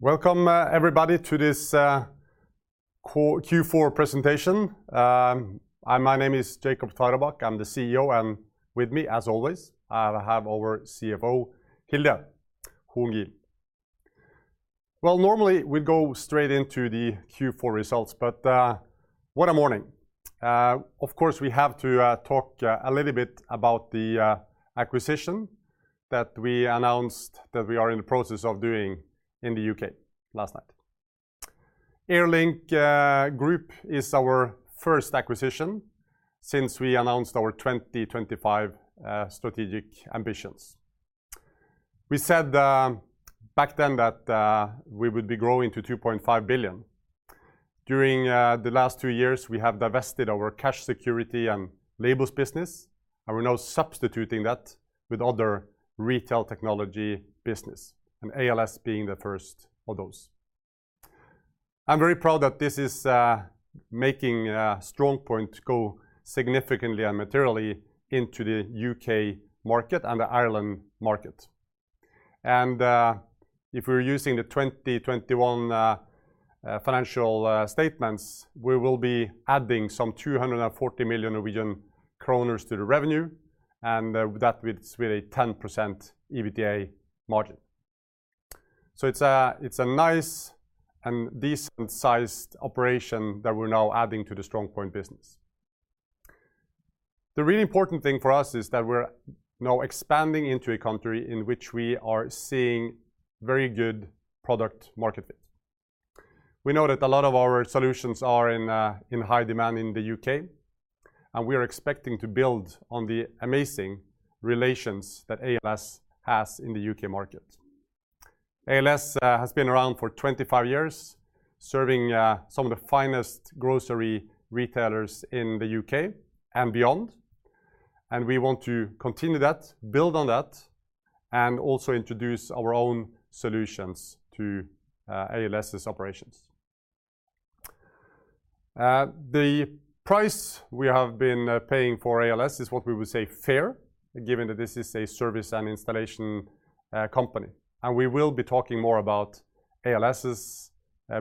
Welcome, everybody to this Q4 presentation. My name is Jacob Tveraabak. I'm the CEO, and with me, as always, I have our CFO, Hilde Horn Gilen. Well, normally we go straight into the Q4 results, but what a morning. Of course, we have to talk a little bit about the acquisition that we announced that we are in the process of doing in the U.K. last night. Air Link Group is our first acquisition since we announced our 2025 strategic ambitions. We said back then that we would be growing to 2.5 billion. During the 2 years, we have divested our cash security and labels business, and we're now substituting that with other retail technology business, and ALS being the first of those. I'm very proud that this is making StrongPoint go significantly and materially into the U.K. market and the Ireland market. If we're using the 2021 financial statements, we will be adding some 240 million Norwegian kroner to the revenue, and that with a 10% EBITDA margin. It's a nice and decent-sized operation that we're now adding to the StrongPoint business. The really important thing for us is that we're now expanding into a country in which we are seeing very good product market fit. We know that a lot of our solutions are in high demand in the U.K., and we are expecting to build on the amazing relations that ALS has in the U.K. market. ALS has been around for 25 years, serving some of the finest grocery retailers in the U.K. and beyond. We want to continue that, build on that, and also introduce our own solutions to ALS's operations. The price we have been paying for ALS is what we would say fair, given that this is a service and installation company. We will be talking more about ALS's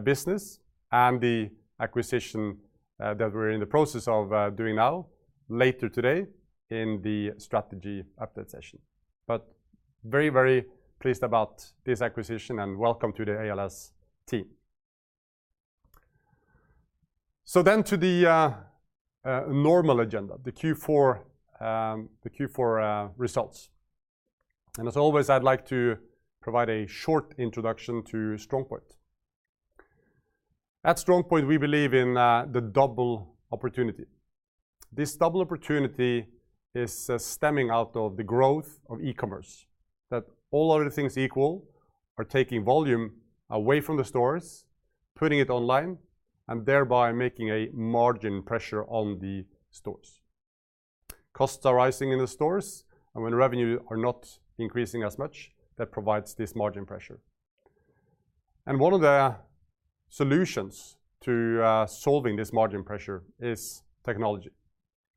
business and the acquisition that we're in the process of doing now, later today in the strategy update session. Very, very pleased about this acquisition and welcome to the ALS team. To the normal agenda, the Q4 results. As always, I'd like to provide a short introduction to StrongPoint. At StrongPoint, we believe in the double opportunity. This double opportunity is stemming out of the growth of e-commerce, that all other things equal are taking volume away from the stores, putting it online, and thereby making a margin pressure on the stores. Costs are rising in the stores, and when revenue are not increasing as much, that provides this margin pressure. One of the solutions to solving this margin pressure is technology,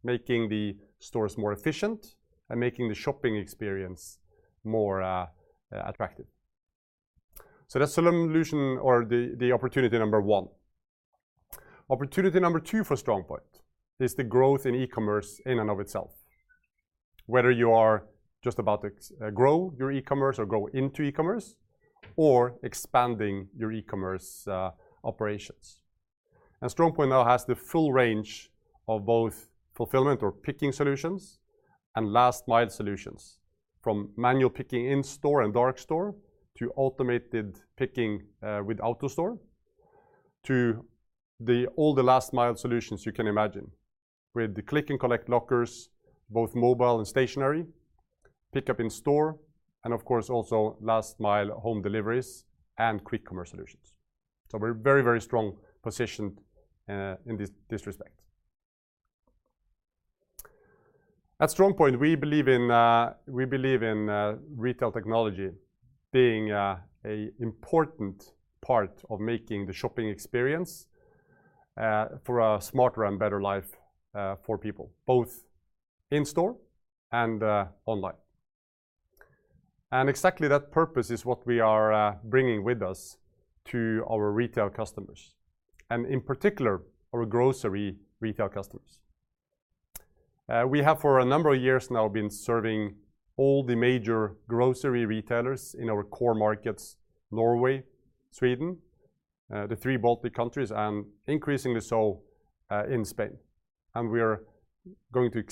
making the stores more efficient and making the shopping experience more attractive. That's the solution or the opportunity number one. Opportunity number two for StrongPoint is the growth in e-commerce in and of itself, whether you are just about to grow your e-commerce or grow into e-commerce or expanding your e-commerce operations. StrongPoint now has the full range of both fulfillment or picking solutions and last mile solutions, from manual picking in store and dark store to automated picking with AutoStore to all the last mile solutions you can imagine, with the Click and Collect Lockers, both mobile and stationary, pickup in store, and of course, also last mile home deliveries and quick commerce solutions. We're very, very strongly positioned in this respect. At StrongPoint, we believe in retail technology being an important part of making the shopping experience for a smarter and better life for people, both in store and online. Exactly that purpose is what we are bringing with us to our retail customers, and in particular, our grocery retail customers. We have for a number of years now been serving all the major grocery retailers in our core markets, Norway, Sweden, the three Baltic countries, and increasingly so, in Spain. We're going to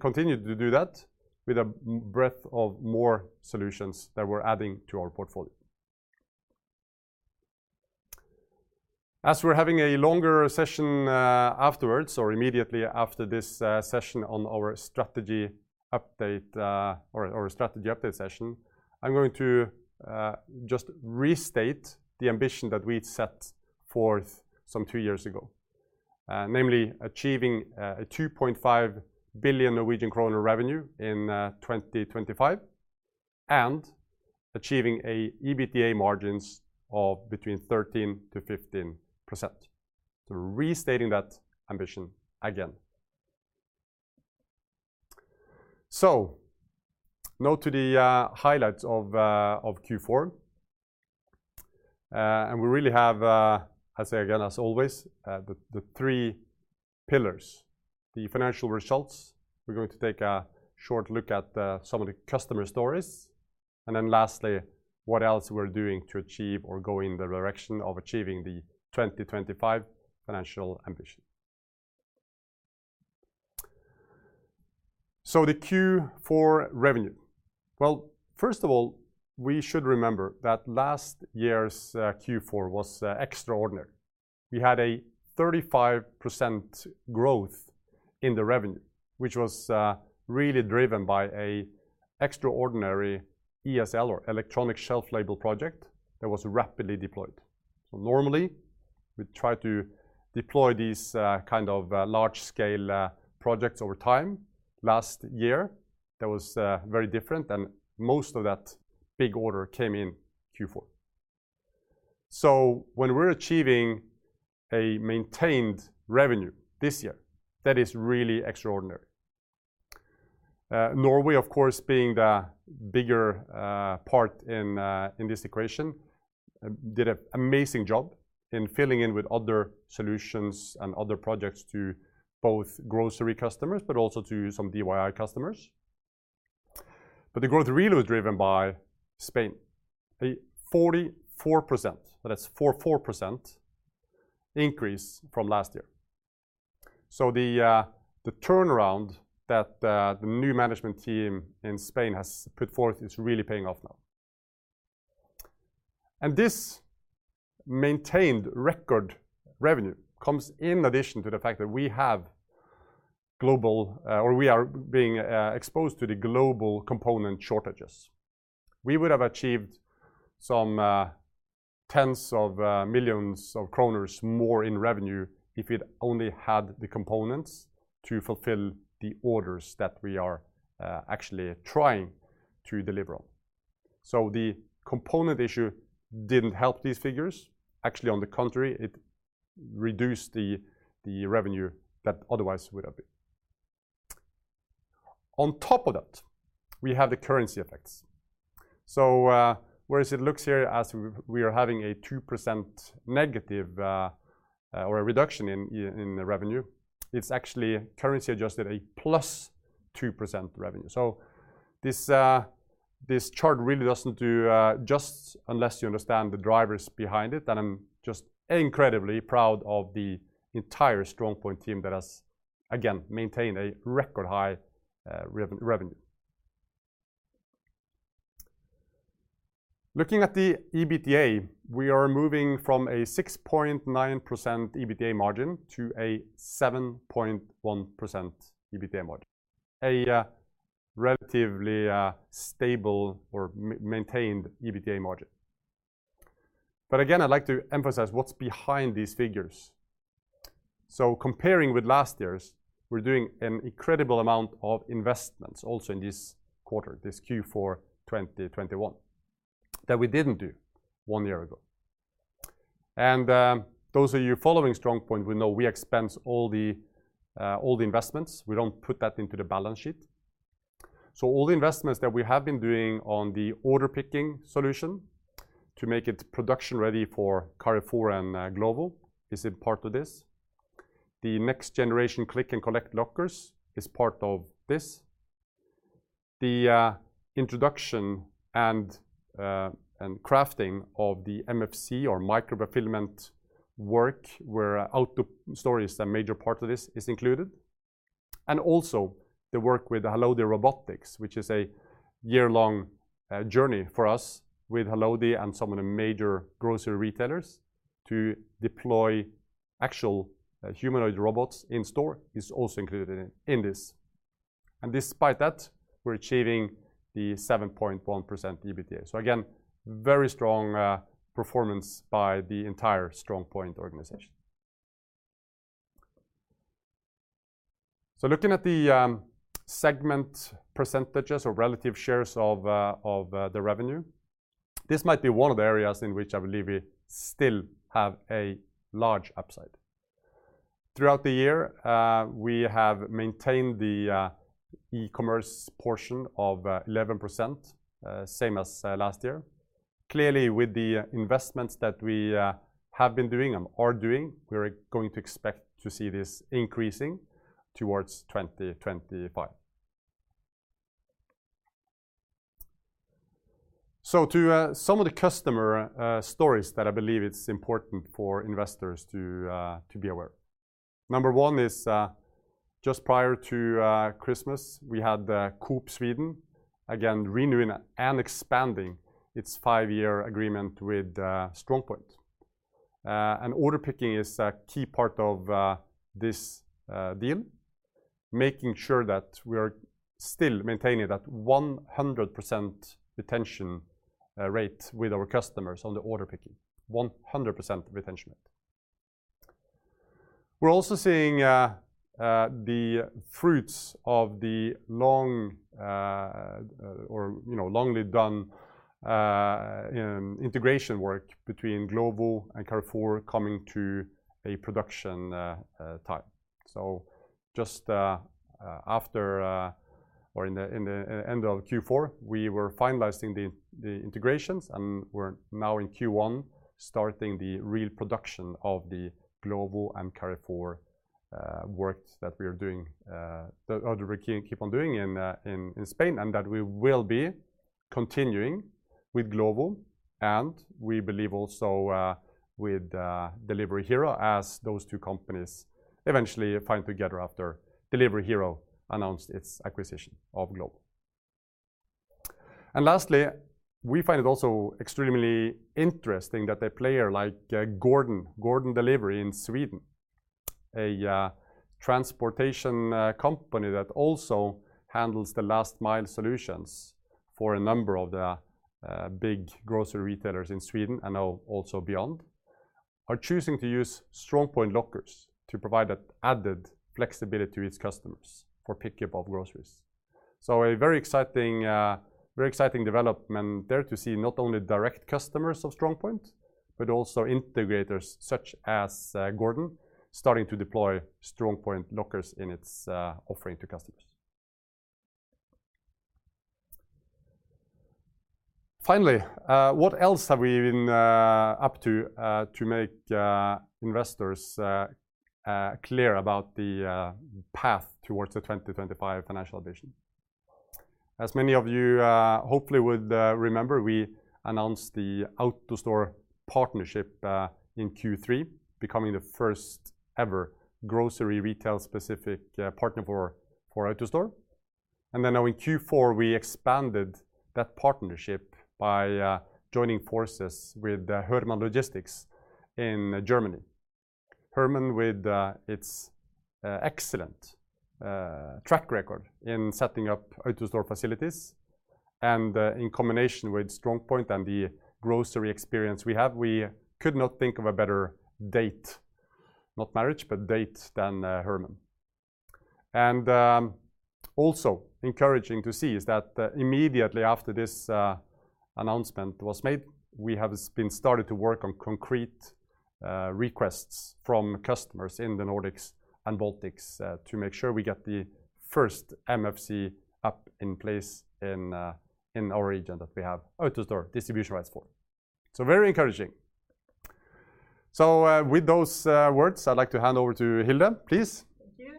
continue to do that with a breadth of more solutions that we're adding to our portfolio. As we're having a longer session afterwards, or immediately after this session on our strategy update, or strategy update session, I'm going to just restate the ambition that we'd set forth 2 years ago, namely achieving a 2.5 billion Norwegian kroner revenue in 2025 and achieving EBITDA margins of between 13%-15%. Restating that ambition again. Now to the highlights of Q4. We really have, as always, the three pillars, the financial results. We're going to take a short look at some of the customer stories, and then lastly, what else we're doing to achieve or go in the direction of achieving the 2025 financial ambition. The Q4 revenue. Well, first of all, we should remember that last year's Q4 was extraordinary. We had a 35% growth in the revenue, which was really driven by an extraordinary ESL or Electronic Shelf Label project that was rapidly deployed. Normally, we try to deploy these kind of large-scale projects over time. Last year, that was very different, and most of that big order came in Q4. When we're achieving a maintained revenue this year, that is really extraordinary. Norway, of course, being the bigger part in this equation, did an amazing job in filling in with other solutions and other projects to both grocery customers, but also to some DIY customers. The growth really was driven by Spain, a 44%, that is 44% increase from last year. The turnaround that the new management team in Spain has put forth is really paying off now. This maintained record revenue comes in addition to the fact that we are being exposed to the global component shortages. We would have achieved some tens of millions of NOK more in revenue if we'd only had the components to fulfill the orders that we are actually trying to deliver on. The component issue didn't help these figures. Actually, on the contrary, it reduced the revenue that otherwise would have been. On top of that, we have the currency effects. Whereas it looks here as we are having a 2% negative or a reduction in the revenue, it's actually currency-adjusted, a +2% revenue. This chart really doesn't do justice unless you understand the drivers behind it, and I'm just incredibly proud of the entire StrongPoint team that has, again, maintained a record-high revenue. Looking at the EBITDA, we are moving from a 6.9% EBITDA margin to a 7.1% EBITDA margin, a relatively stable or maintained EBITDA margin. Again, I'd like to emphasize what's behind these figures. Comparing with last year's, we're doing an incredible amount of investments also in this quarter, this Q4 2021, that we didn't do one year ago. Those of you following StrongPoint will know we expense all the investments. We don't put that into the balance sheet. All the investments that we have been doing on the Order Picking solution to make it production-ready for Carrefour and Glovo is a part of this. The next-generation Click & Collect Lockers is part of this. The introduction and crafting of the MFC or micro-fulfillment work where AutoStore is a major part of this is included. The work with Halodi Robotics, which is a year-long journey for us with Halodi and some of the major grocery retailers to deploy actual humanoid robots in store is also included in this. Despite that, we're achieving the 7.1% EBITDA. Again, very strong performance by the entire StrongPoint organization. Looking at the segment percentages or relative shares of the revenue, this might be one of the areas in which I believe we still have a large upside. Throughout the year, we have maintained the e-commerce portion of 11%, same as last year. Clearly, with the investments that we have been doing and are doing, we are going to expect to see this increasing towards 2025. To some of the customer stories that I believe it's important for investors to be aware. Number one is just prior to Christmas, we had Coop Sweden again renewing and expanding its five-year agreement with StrongPoint. Order Picking is a key part of this deal, making sure that we are still maintaining that 100% retention rate with our customers on the Order Picking, 100% retention rate. We're also seeing the fruits of the long integration work between Glovo and Carrefour coming to a production time. Just after or in the end of Q4, we were finalizing the integrations, and we're now in Q1 starting the real production of the Glovo and Carrefour works that we are doing that we keep on doing in Spain, and that we will be continuing with Glovo, and we believe also with Delivery Hero as those two companies eventually find together after Delivery Hero announced its acquisition of Glovo. Lastly, we find it also extremely interesting that a player like Gordon Delivery in Sweden, a transportation company that also handles the last mile solutions for a number of the big grocery retailers in Sweden and now also beyond, are choosing to use StrongPoint lockers to provide that added flexibility to its customers for pickup of groceries. A very exciting development there to see not only direct customers of StrongPoint, but also integrators such as Gordon starting to deploy StrongPoint lockers in its offering to customers. Finally, what else have we been up to to make investors clear about the path towards the 2025 financial vision? As many of you hopefully would remember, we announced the AutoStore partnership in Q3, becoming the first ever grocery retail-specific partner for AutoStore. Then now in Q4, we expanded that partnership by joining forces with Hörmann Logistik in Germany. Hörmann with its excellent track record in setting up AutoStore facilities, and in combination with StrongPoint and the grocery experience we have, we could not think of a better date, not marriage, but date than Hörmann. Also encouraging to see is that immediately after this announcement was made, we have started to work on concrete requests from customers in the Nordics and Baltics to make sure we get the first MFC up in place in our region that we have AutoStore distribution rights for. Very encouraging. With those words, I'd like to hand over to Hilde, please. Thank you.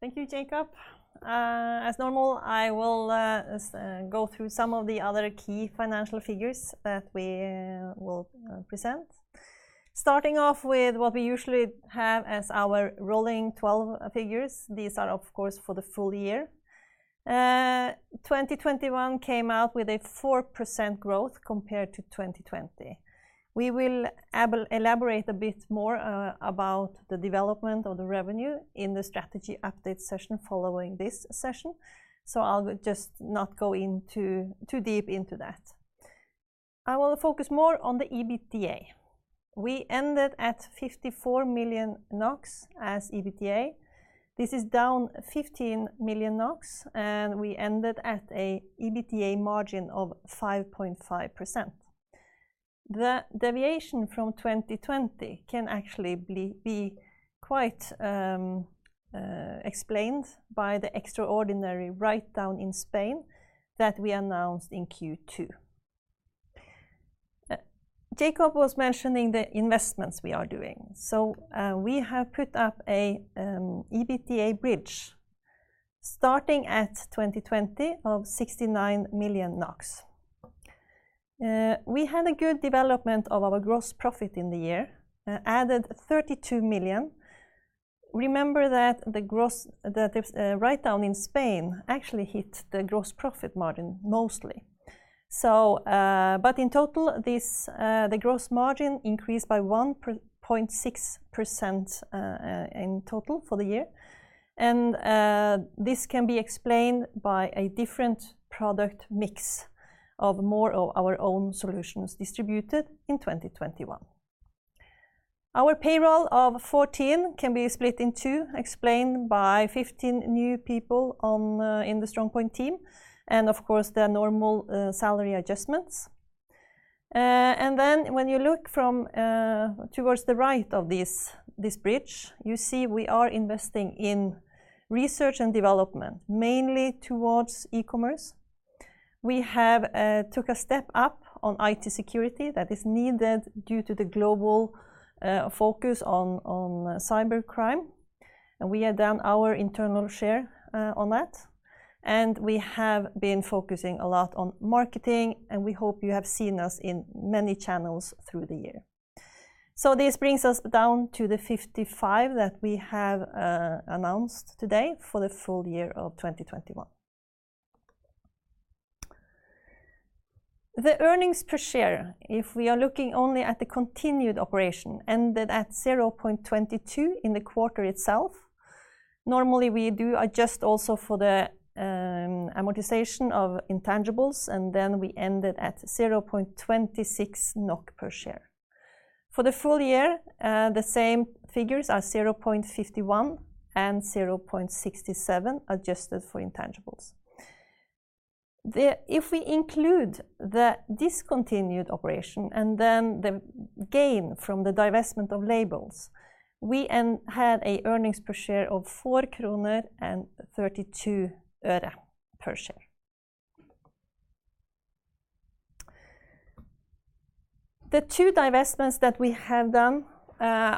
Thank you, Jacob. As normal, I will go through some of the other key financial figures that we will present. Starting off with what we usually have as our rolling 12 figures. These are, of course, for the full year. 2021 came out with a 4% growth compared to 2020. We will elaborate a bit more about the development of the revenue in the strategy update session following this session. I'll just not go into too deep into that. I will focus more on the EBITDA. We ended at 54 million NOK as EBITDA. This is down 15 million NOK, and we ended at a EBITDA margin of 5.5%. The deviation from 2020 can actually be quite explained by the extraordinary write-down in Spain that we announced in Q2. Jacob was mentioning the investments we are doing. We have put up a EBITDA bridge starting at 2020 of 69 million NOK. We had a good development of our gross profit in the year, added 32 million. Remember that the write-down in Spain actually hit the gross profit margin mostly. In total, the gross margin increased by 1.6% in total for the year. This can be explained by a different product mix of more of our own solutions distributed in 2021. Our payroll of 14 million can be split in two, explained by 15 new people in the StrongPoint team, and of course, the normal salary adjustments. When you look from towards the right of this bridge, you see we are investing in research and development, mainly towards e-commerce. We have took a step up on IT security that is needed due to the global focus on cybercrime. We have done our internal share on that. We have been focusing a lot on marketing, and we hope you have seen us in many channels through the year. This brings us down to the 55 that we have announced today for the full year of 2021. The earnings per share, if we are looking only at the continued operation, ended at 0.22 in the quarter itself. Normally, we do adjust also for the amortization of intangibles, and then we ended at 0.26 NOK per share. For the full year, the same figures are 0.51 NOK and 0.67 NOK adjusted for intangibles. If we include the discontinued operation and then the gain from the divestment of labels, we had a earnings per share of 4 kroner and 32 øre per share. The two divestments that we have done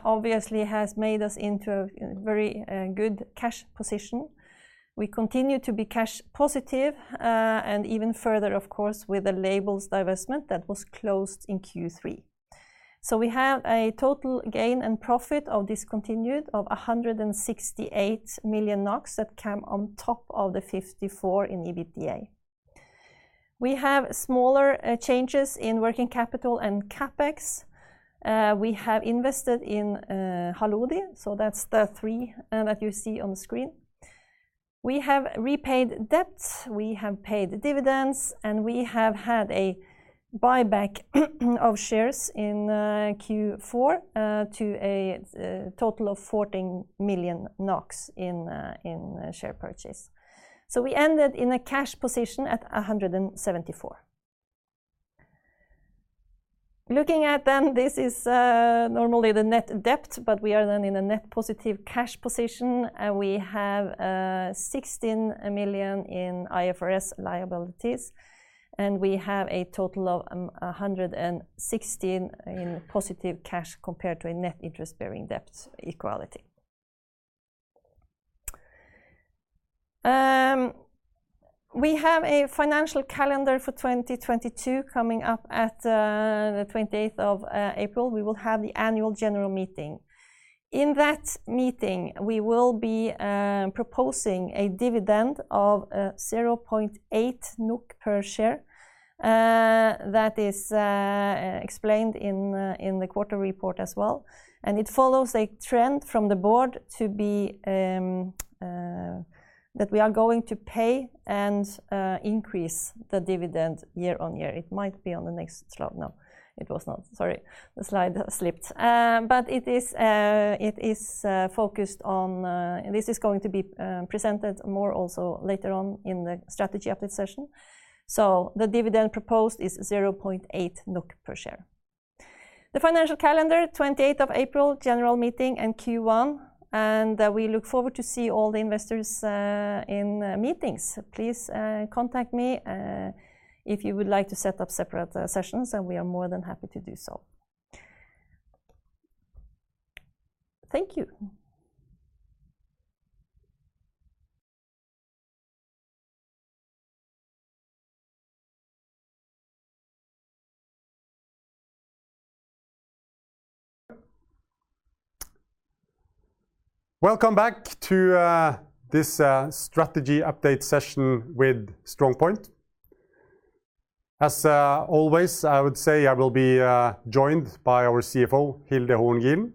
obviously has made us into a very good cash position. We continue to be cash positive and even further, of course, with the labels divestment that was closed in Q3. We have a total gain and profit of discontinued of 168 million NOK that come on top of the 54 million NOK in EBITDA. We have smaller changes in working capital and CapEx. We have invested in Halodi, so that's the three that you see on the screen. We have repaid debts, we have paid dividends, and we have had a buyback of shares in Q4 to a total of 14 million NOK in share purchase. We ended in a cash position at 174 million. Looking at them, this is normally the net debt, but we are then in a net positive cash position, and we have 16 million in IFRS liabilities, and we have a total of 116 million in positive cash compared to a net interest-bearing debt equity. We have a financial calendar for 2022 coming up at the twenty-eighth of April. We will have the annual general meeting. In that meeting, we will be proposing a dividend of 0.8 NOK per share. That is explained in the quarter report as well. It follows a trend from the board that we are going to pay and increase the dividend year on year. It might be on the next slide. No, it was not. Sorry. The slide slipped. But it is focused on. This is going to be presented more also later on in the strategy update session. The dividend proposed is 0.8 NOK per share. The financial calendar, 28th of April, general meeting and Q1, we look forward to see all the investors in meetings. Please, contact me, if you would like to set up separate, sessions, and we are more than happy to do so. Thank you. Welcome back to this strategy update session with StrongPoint. As always, I would say I will be joined by our CFO, Hilde Horn Gilen,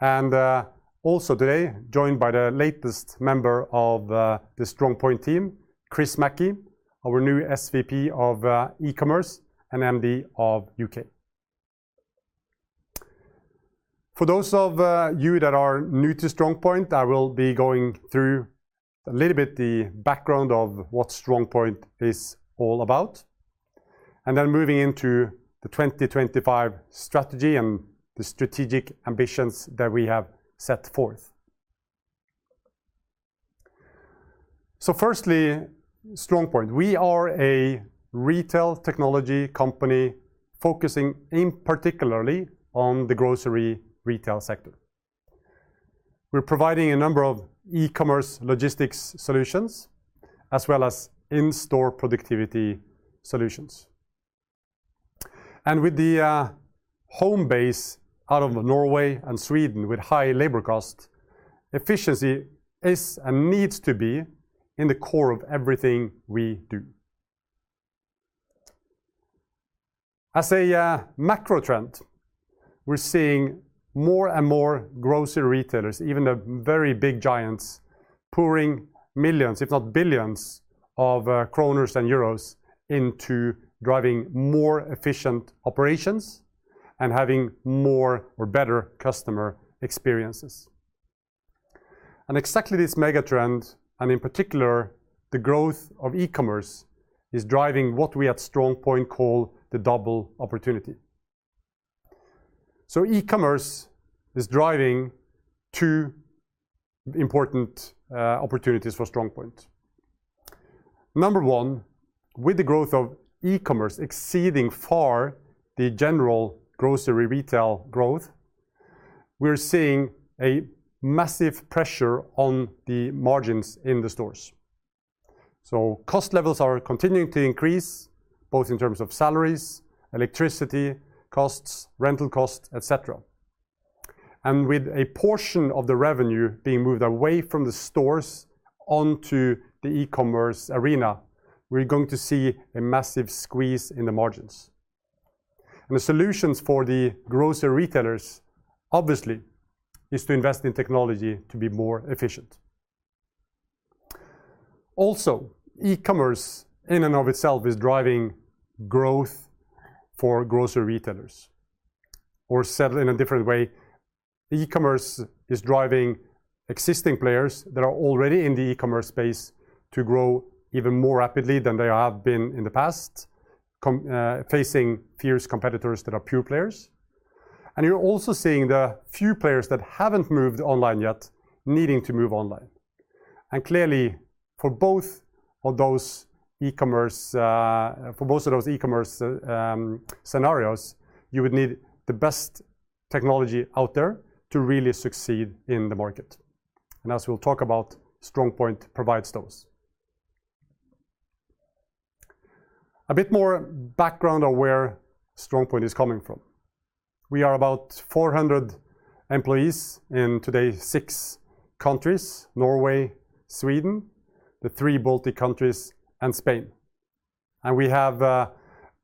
and also today joined by the latest member of the StrongPoint team, Chris Mackie, our new SVP of eCommerce and MD of U.K. For those of you that are new to StrongPoint, I will be going through a little bit the background of what StrongPoint is all about, and then moving into the 2025 strategy and the strategic ambitions that we have set forth. Firstly, StrongPoint. We are a retail technology company focusing in particularly on the grocery retail sector. We're providing a number of eCommerce logistics solutions as well as in-store productivity solutions. With the home base out of Norway and Sweden with high labor costs, efficiency is and needs to be in the core of everything we do. As a macro trend, we're seeing more and more grocery retailers, even the very big giants, pouring millions, if not billions of kroners and euros into driving more efficient operations and having more or better customer experiences. Exactly this mega trend, and in particular, the growth of eCommerce, is driving what we at StrongPoint call the double opportunity. eCommerce is driving two important opportunities for StrongPoint. Number one, with the growth of eCommerce exceeding far the general grocery retail growth, we're seeing a massive pressure on the margins in the stores. Cost levels are continuing to increase, both in terms of salaries, electricity costs, rental costs, et cetera. With a portion of the revenue being moved away from the stores onto the e-commerce arena, we're going to see a massive squeeze in the margins. The solutions for the grocery retailers, obviously, is to invest in technology to be more efficient. E-commerce in and of itself is driving growth for grocery retailers. Said in a different way, e-commerce is driving existing players that are already in the e-commerce space to grow even more rapidly than they have been in the past, facing fierce competitors that are pure players. You're also seeing the few players that haven't moved online yet needing to move online. Clearly for both of those e-commerce scenarios, you would need the best technology out there to really succeed in the market. As we'll talk about, StrongPoint provides those. A bit more background on where StrongPoint is coming from. We are about 400 employees in today six countries, Norway, Sweden, the three Baltic countries, and Spain. We have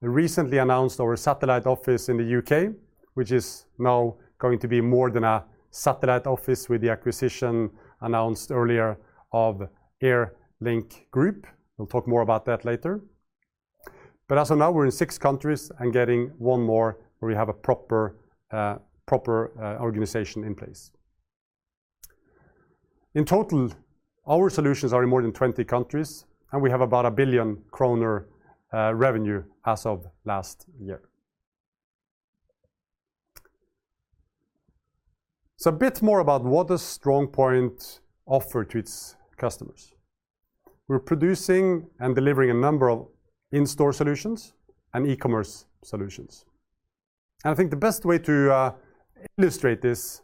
recently announced our satellite office in the U.K., which is now going to be more than a satellite office with the acquisition announced earlier of Air Link Group. We'll talk more about that later. As of now, we're in six countries and getting one more where we have a proper organization in place. In total, our solutions are in more than 20 countries, and we have about 1 billion kroner revenue as of last year. A bit more about what does StrongPoint offer to its customers. We're producing and delivering a number of in-store solutions and e-commerce solutions. I think the best way to illustrate this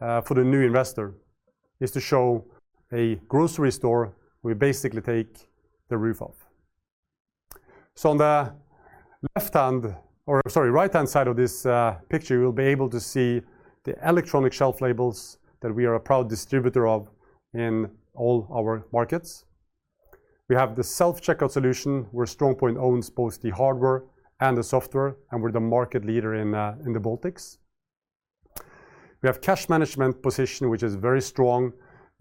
for the new investor is to show a grocery store we basically take the roof off. On the left-hand, or sorry, right-hand side of this picture, you'll be able to see the Electronic Shelf Labels that we are a proud distributor of in all our markets. We have the Self-Checkout solution, where StrongPoint owns both the hardware and the software, and we're the market leader in the Baltics. We have cash management position, which is very strong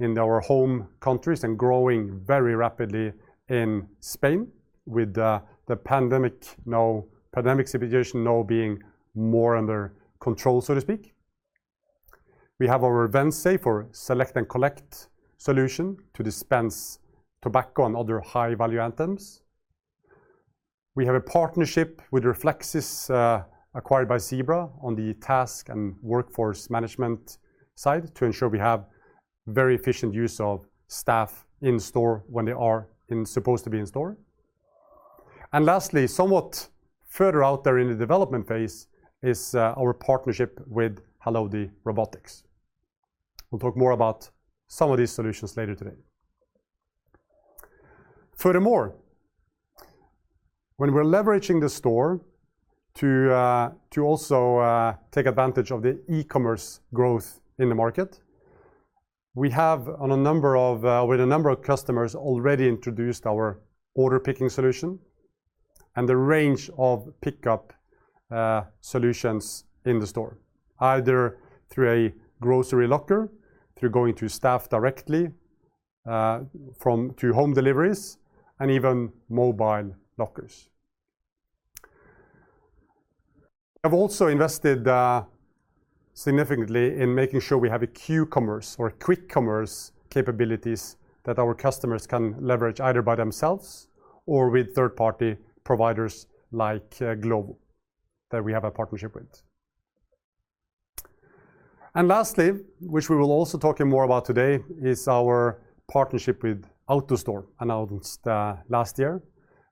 in our home countries and growing very rapidly in Spain with the pandemic situation now being more under control, so to speak. We have our Vensafe for select and collect solution to dispense tobacco and other high-value items. We have a partnership with Reflexis, acquired by Zebra on the task and workforce management side to ensure we have very efficient use of staff in store when they are supposed to be in store. Lastly, somewhat further out there in the development phase is our partnership with Halodi Robotics. We'll talk more about some of these solutions later today. Furthermore, when we're leveraging the store to also take advantage of the e-commerce growth in the market, we have with a number of customers already introduced our order picking solution and the range of pickup solutions in the store, either through a grocery locker, through going to staff directly to home deliveries, and even mobile lockers. We've also invested significantly in making sure we have a Q-commerce or a quick commerce capabilities that our customers can leverage either by themselves or with third-party providers like Glovo that we have a partnership with. Lastly, which we will also talking more about today, is our partnership with AutoStore announced last year,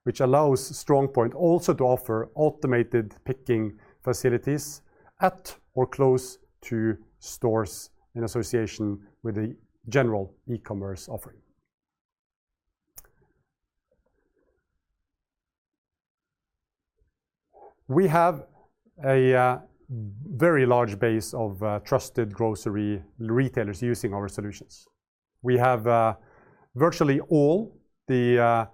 which allows StrongPoint also to offer automated picking facilities at or close to stores in association with the general e-commerce offering. We have a very large base of trusted grocery retailers using our solutions. We have virtually all the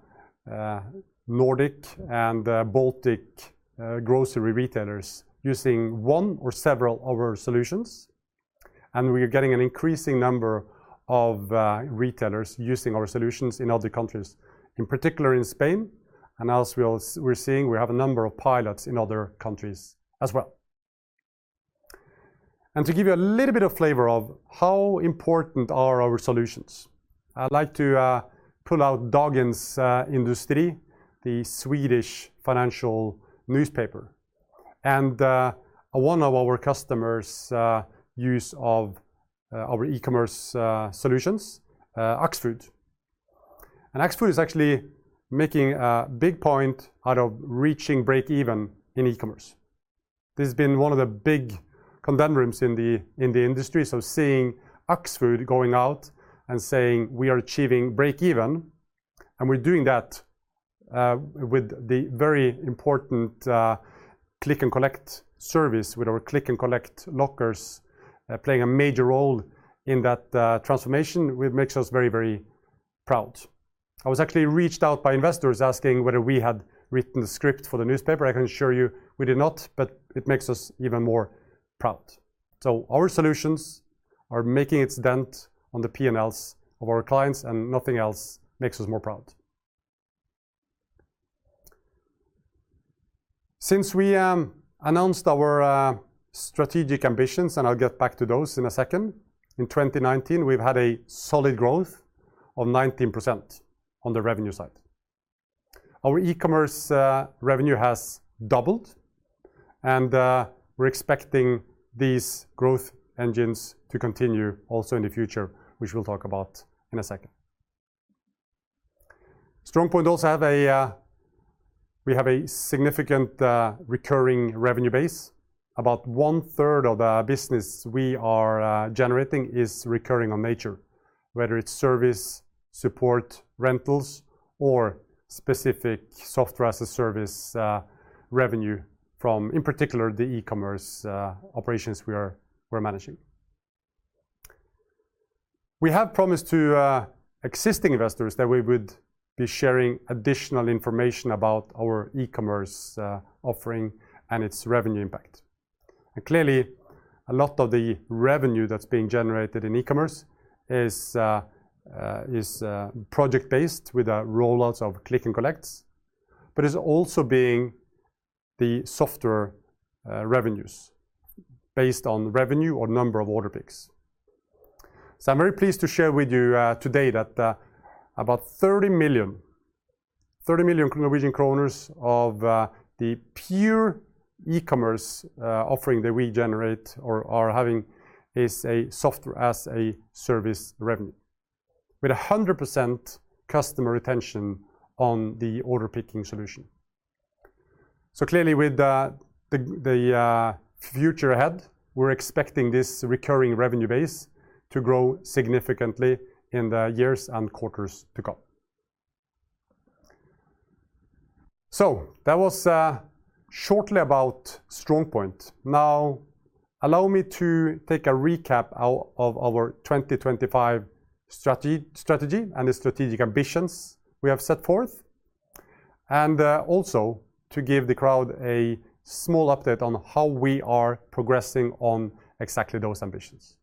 Nordic and Baltic grocery retailers using one or several of our solutions, and we are getting an increasing number of retailers using our solutions in other countries, in particular in Spain. As we're seeing, we have a number of pilots in other countries as well. To give you a little bit of flavor of how important are our solutions, I'd like to pull out Dagens Industri, the Swedish financial newspaper, and one of our customers' use of our e-commerce solutions, Axfood. Axfood is actually making a big point out of reaching break even in e-commerce. This has been one of the big conundrums in the industry. Seeing Axfood going out and saying, "We are achieving break even, and we're doing that with the very important click and collect service with our click and collect lockers playing a major role in that transformation," it makes us very, very proud. I was actually reached out by investors asking whether we had written the script for the newspaper. I can assure you we did not, but it makes us even more proud. Our solutions are making a dent on the P&Ls of our clients, and nothing else makes us more proud. Since we announced our strategic ambitions, and I'll get back to those in a second, in 2019 we've had a solid growth of 19% on the revenue side. Our e-commerce revenue has doubled, and we're expecting these growth engines to continue also in the future, which we'll talk about in a second. StrongPoint also have a significant recurring revenue base. About 1/3 of our business we are generating is recurring in nature, whether it's service, support, rentals, or specific software as a service revenue from, in particular, the e-commerce operations we're managing. We have promised to existing investors that we would be sharing additional information about our e-commerce offering and its revenue impact. Clearly, a lot of the revenue that's being generated in e-commerce is project-based with the rollouts of click and collects, but is also being the software revenues based on revenue or number of order picks. I'm very pleased to share with you today that NOK 30 million of the pure e-commerce offering that we generate or are having is software as a service revenue, with 100% customer retention on the Order Picking solution. Clearly with the future ahead, we're expecting this recurring revenue base to grow significantly in the years and quarters to come. That was shortly about StrongPoint. Now, allow me to take a recap of our 2025 strategy and the strategic ambitions we have set forth, and also to give the crowd a small update on how we are progressing on exactly those ambitions.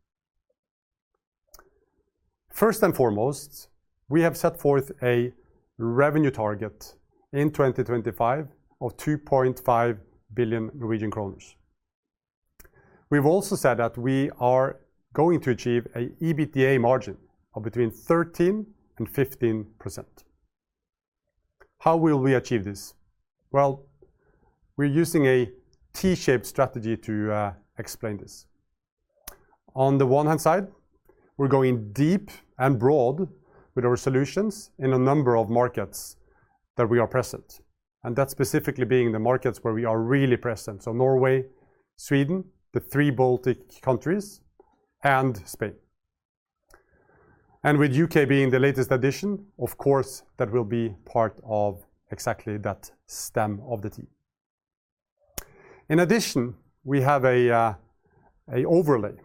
First and foremost, we have set forth a revenue target in 2025 of 2.5 billion Norwegian kroner. We've also said that we are going to achieve an EBITDA margin of between 13% and 15%. How will we achieve this? Well, we're using a T-shaped strategy to explain this. On the one hand side, we're going deep and broad with our solutions in a number of markets that we are present, and that specifically being the markets where we are really present, so Norway, Sweden, the three Baltic countries, and Spain. With U.K. being the latest addition, of course, that will be part of exactly that stem of the T. In addition, we have a overlay.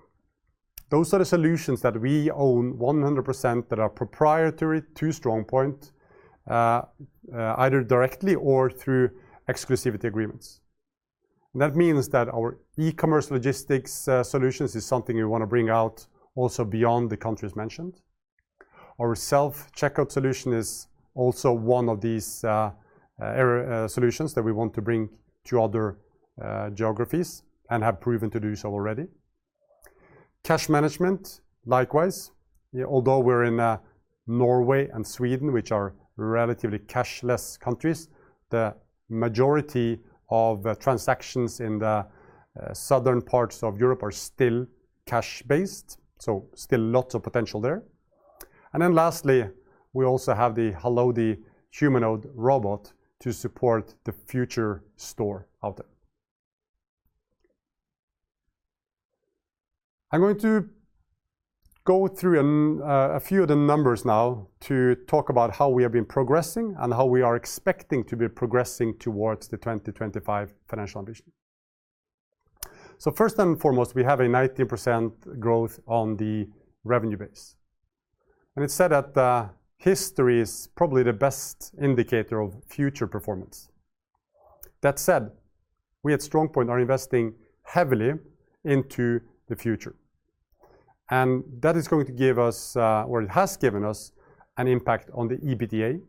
Those are the solutions that we own 100% that are proprietary to StrongPoint, either directly or through exclusivity agreements. That means that our e-commerce logistics solutions is something we wanna bring out also beyond the countries mentioned. Our Self-Checkout solution is also one of these solutions that we want to bring to other geographies and have proven to do so already. Cash management, likewise. Although we're in Norway and Sweden, which are relatively cashless countries, the majority of transactions in the southern parts of Europe are still cash-based, so still lots of potential there. Lastly, we also have the Halodi humanoid robot to support the future store out there. I'm going to go through a few of the numbers now to talk about how we have been progressing and how we are expecting to be progressing towards the 2025 financial ambition. First and foremost, we have a 19% growth on the revenue base. It's said that history is probably the best indicator of future performance. That said, we at StrongPoint are investing heavily into the future, and that is going to give us, or it has given us an impact on the EBITDA.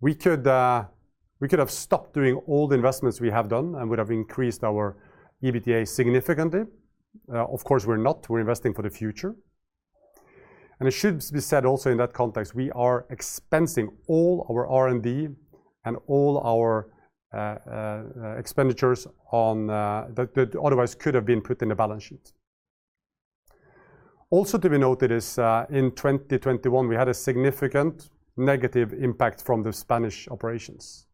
We could have stopped doing all the investments we have done and would have increased our EBITDA significantly. Of course, we're not. We're investing for the future. It should be said also in that context, we are expensing all our R&D and all our expenditures on that that otherwise could have been put in the balance sheet. Also to be noted is in 2021 we had a significant negative impact from the Spanish operations.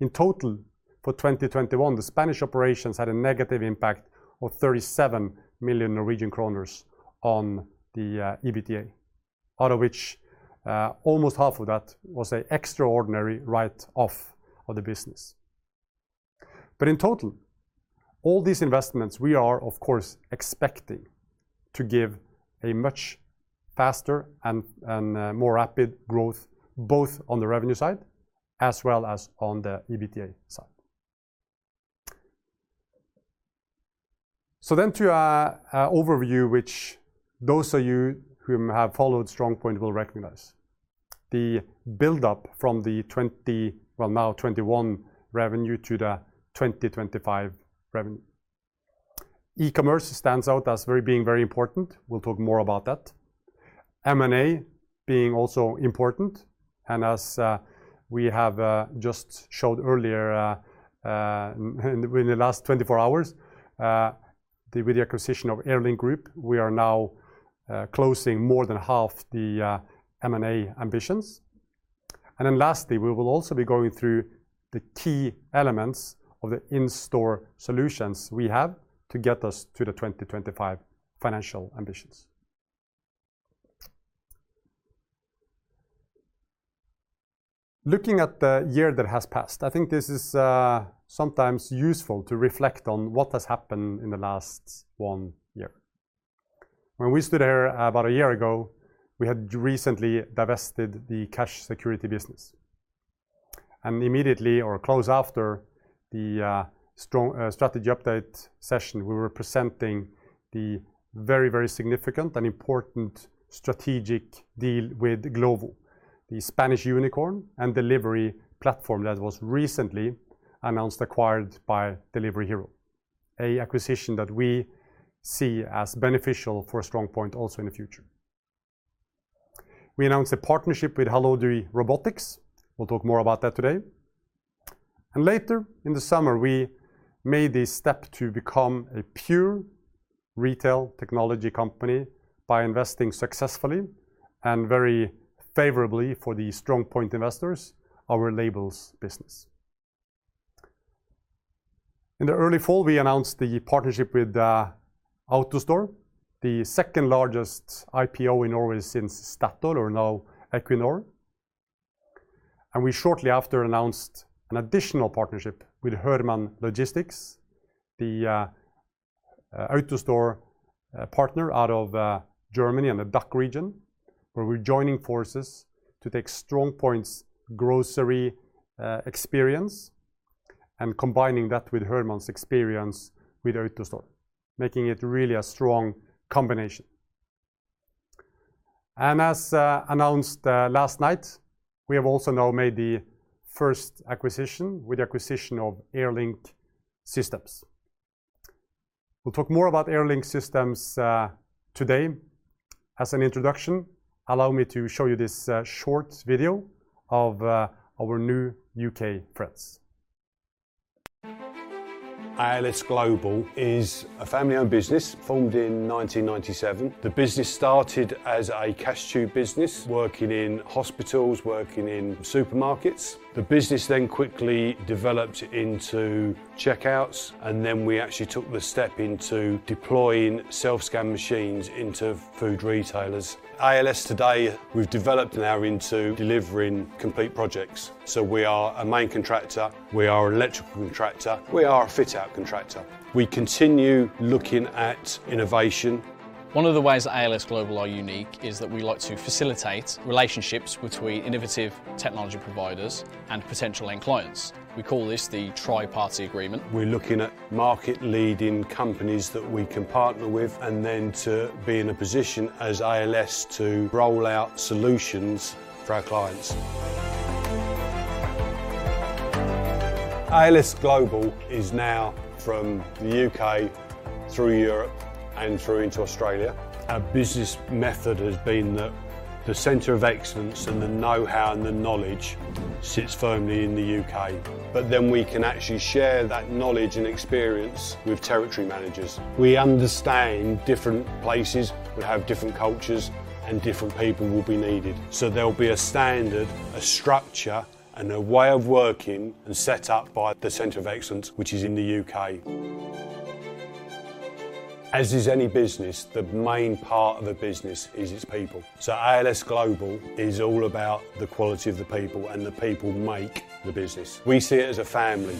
In total, for 2021 the Spanish operations had a negative impact of 37 million Norwegian kroner on the EBITDA, out of which almost half of that was an extraordinary write-off of the business. In total, all these investments we are of course expecting to give a much faster and more rapid growth, both on the revenue side as well as on the EBITDA side. To our overview, which those of you who have followed StrongPoint will recognize. The build-up from the 2021 revenue to the 2025 revenue. E-commerce stands out as being very important. We'll talk more about that. M&A being also important, and as we have just showed earlier, in the last 24 hours, with the acquisition of Air Link Group, we are now closing more than half the M&A ambitions. Lastly, we will also be going through the key elements of the in-store solutions we have to get us to the 2025 financial ambitions. Looking at the year that has passed, I think this is sometimes useful to reflect on what has happened in the last one year. When we stood here about a year ago, we had recently divested the cash security business. Immediately or close after the strategy update session, we were presenting the very, very significant and important strategic deal with Glovo, the Spanish unicorn and delivery platform that was recently announced acquired by Delivery Hero. An acquisition that we see as beneficial for StrongPoint also in the future. We announced a partnership with Halodi Robotics. We'll talk more about that today. Later in the summer, we made the step to become a pure retail technology company by investing successfully and very favorably for the StrongPoint investors, our labels business. In the early fall, we announced the partnership with AutoStore, the second-largest IPO in Norway since Statoil or now Equinor. We shortly after announced an additional partnership with Hörmann Logistik, the AutoStore partner out of Germany and the DACH region, where we're joining forces to take StrongPoint's grocery experience and combining that with Hörmann's experience with AutoStore, making it really a strong combination. As announced last night, we have also now made the first acquisition of Airlink Systems. We'll talk more about Airlink Systems today. As an introduction, allow me to show you this short video of our new U.K. friends. ALS Global is a family-owned business formed in 1997. The business started as a cash tube business working in hospitals, working in supermarkets. The business then quickly developed into checkouts, and then we actually took the step into deploying self-scan machines into food retailers. ALS today, we've developed now into delivering complete projects. We are a main contractor. We are electrical contractor. We are a fit out contractor. We continue looking at innovation. One of the ways that ALS Global are unique is that we like to facilitate relationships between innovative technology providers and potential end clients. We call this the tri-party agreement. We're looking at market-leading companies that we can partner with and then to be in a position as ALS to roll out solutions for our clients. ALS Global is now from the U.K. through Europe and through into Australia. Our business method has been that the center of excellence and the know-how and the knowledge sits firmly in the U.K. We can actually share that knowledge and experience with territory managers. We understand different places will have different cultures, and different people will be needed. There will be a standard, a structure, and a way of working and set up by the center of excellence, which is in the U.K. As is any business, the main part of a business is its people. ALS Global is all about the quality of the people, and the people make the business. We see it as a family.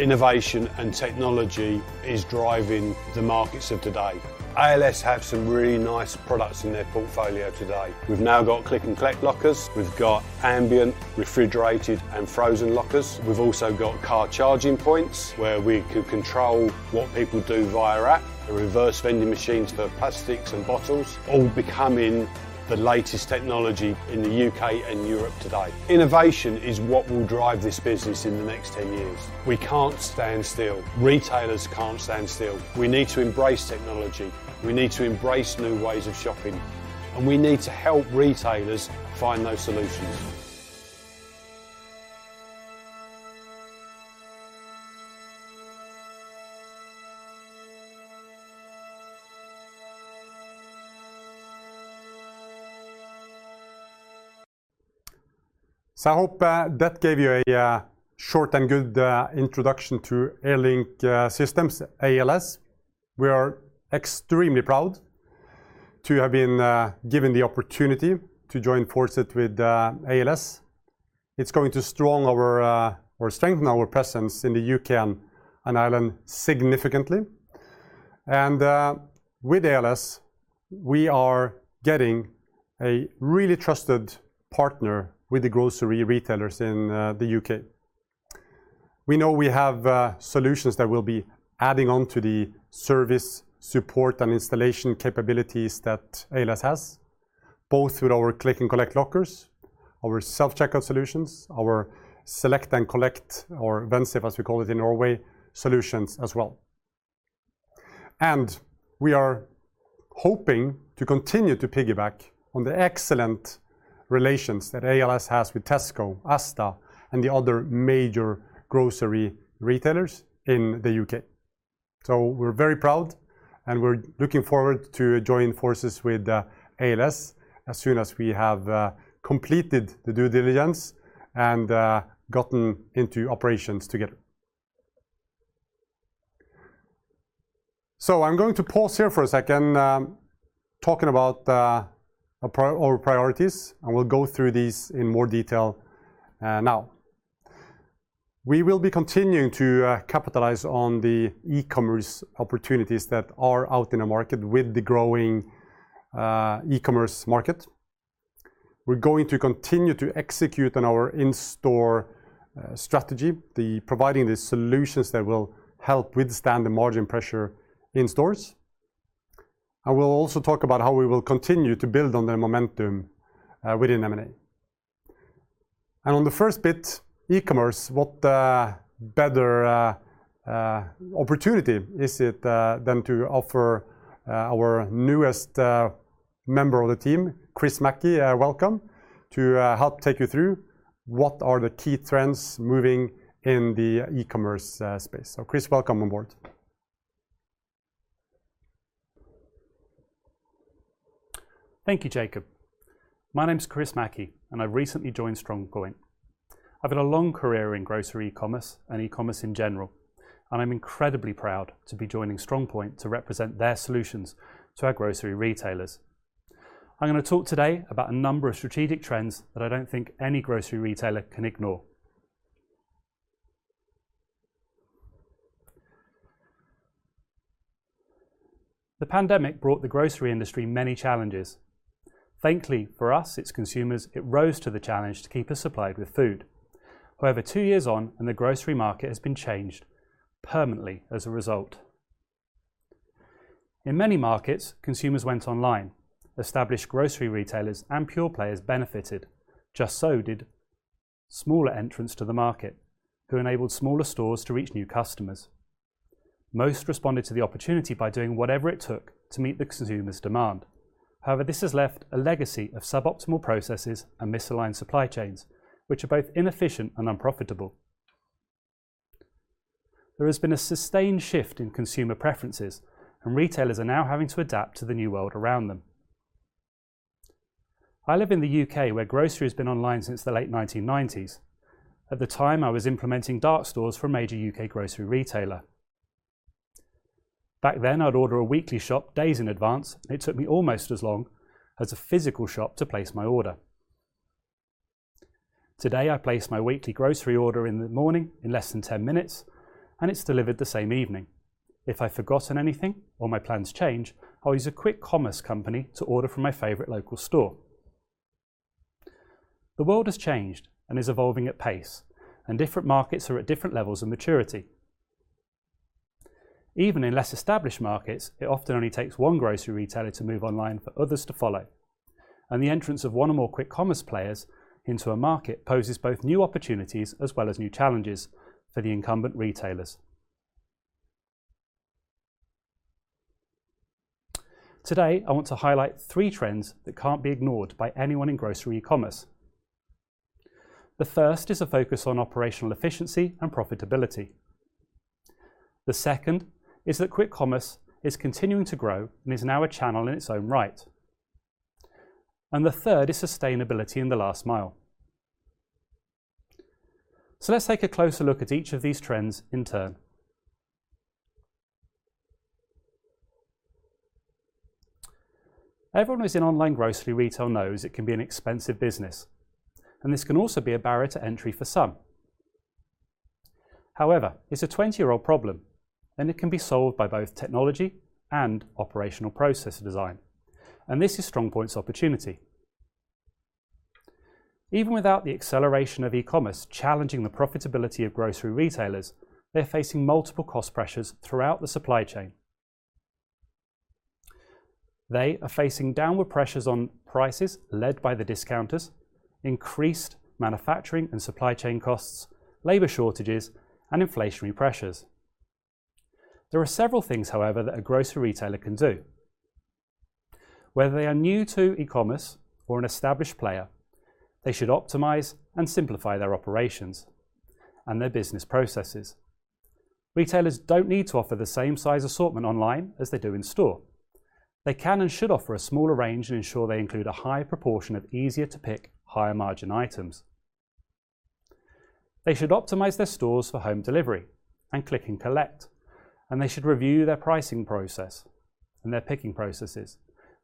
Innovation and technology is driving the markets of today. ALS have some really nice products in their portfolio today. We've now got Click & Collect Lockers. We've got ambient, refrigerated, and frozen lockers. We've also got car charging points where we could control what people do via app or reverse vending machines for plastics and bottles, all becoming the latest technology in the U.K. and Europe today. Innovation is what will drive this business in the next 10 years. We can't stand still. Retailers can't stand still. We need to embrace technology. We need to embrace new ways of shopping, and we need to help retailers find those solutions. I hope that gave you a short and good introduction to Airlink Systems, ALS. We are extremely proud to have been given the opportunity to join forces with ALS. It's going to strengthen our presence in the U.K. and Ireland significantly. With ALS, we are getting a really trusted partner with the grocery retailers in the U.K. We know we have solutions that we'll be adding on to the service, support and installation capabilities that ALS has, both through our click and collect lockers, our self-checkout solutions, our select and collect, or Vensafe as we call it in Norway, solutions as well. We are hoping to continue to piggyback on the excellent relations that ALS has with Tesco, Asda, and the other major grocery retailers in the U.K. We're very proud, and we're looking forward to joining forces with ALS as soon as we have completed the due diligence and gotten into operations together. I'm going to pause here for a second, talking about our priorities, and we'll go through these in more detail now. We will be continuing to capitalize on the e-commerce opportunities that are out in the market with the growing e-commerce market. We're going to continue to execute on our in-store strategy, the providing the solutions that will help withstand the margin pressure in stores. I will also talk about how we will continue to build on the momentum within M&A. On the first bit, e-commerce, what better opportunity is it than to offer our newest member of the team, Chris Mackie, welcome to help take you through what are the key trends moving in the e-commerce space. Chris, welcome aboard. Thank you, Jacob. My name's Chris Mackie, and I recently joined StrongPoint. I've had a long career in grocery commerce and e-commerce in general, and I'm incredibly proud to be joining StrongPoint to represent their solutions to our grocery retailers. I'm gonna talk today about a number of strategic trends that I don't think any grocery retailer can ignore. The pandemic brought the grocery industry many challenges. Thankfully for us, its consumers, it rose to the challenge to keep us supplied with food. 2 years on, and the grocery market has been changed permanently as a result. In many markets, consumers went online. Established grocery retailers and pure players benefited. Just so did smaller entrants to the market who enabled smaller stores to reach new customers. Most responded to the opportunity by doing whatever it took to meet the consumer's demand. However, this has left a legacy of suboptimal processes and misaligned supply chains, which are both inefficient and unprofitable. There has been a sustained shift in consumer preferences, and retailers are now having to adapt to the new world around them. I live in the U.K., where grocery has been online since the late 1990s. At the time, I was implementing dark stores for a major U.K. grocery retailer. Back then, I'd order a weekly shop days in advance. It took me almost as long as a physical shop to place my order. Today, I place my weekly grocery order in the morning in less than 10 minutes, and it's delivered the same evening. If I've forgotten anything or my plans change, I'll use a quick commerce company to order from my favorite local store. The world has changed and is evolving at pace, and different markets are at different levels of maturity. Even in less established markets, it often only takes one grocery retailer to move online for others to follow. The entrance of one or more quick commerce players into a market poses both new opportunities as well as new challenges for the incumbent retailers. Today, I want to highlight three trends that can't be ignored by anyone in grocery commerce. The first is a focus on operational efficiency and profitability. The second is that quick commerce is continuing to grow and is now a channel in its own right. The third is sustainability in the last mile. Let's take a closer look at each of these trends in turn. Everyone who's in online grocery retail knows it can be an expensive business, and this can also be a barrier to entry for some. However, it's a 20-year-old problem, and it can be solved by both technology and operational process design, and this is StrongPoint's opportunity. Even without the acceleration of e-commerce challenging the profitability of grocery retailers, they're facing multiple cost pressures throughout the supply chain. They are facing downward pressures on prices led by the discounters, increased manufacturing and supply chain costs, labor shortages, and inflationary pressures. There are several things, however, that a grocery retailer can do. Whether they are new to e-commerce or an established player, they should optimize and simplify their operations and their business processes. Retailers don't need to offer the same size assortment online as they do in store. They can and should offer a smaller range and ensure they include a higher proportion of easier to pick higher margin items. They should optimize their stores for home delivery and click and collect, and they should review their pricing process and their picking processes.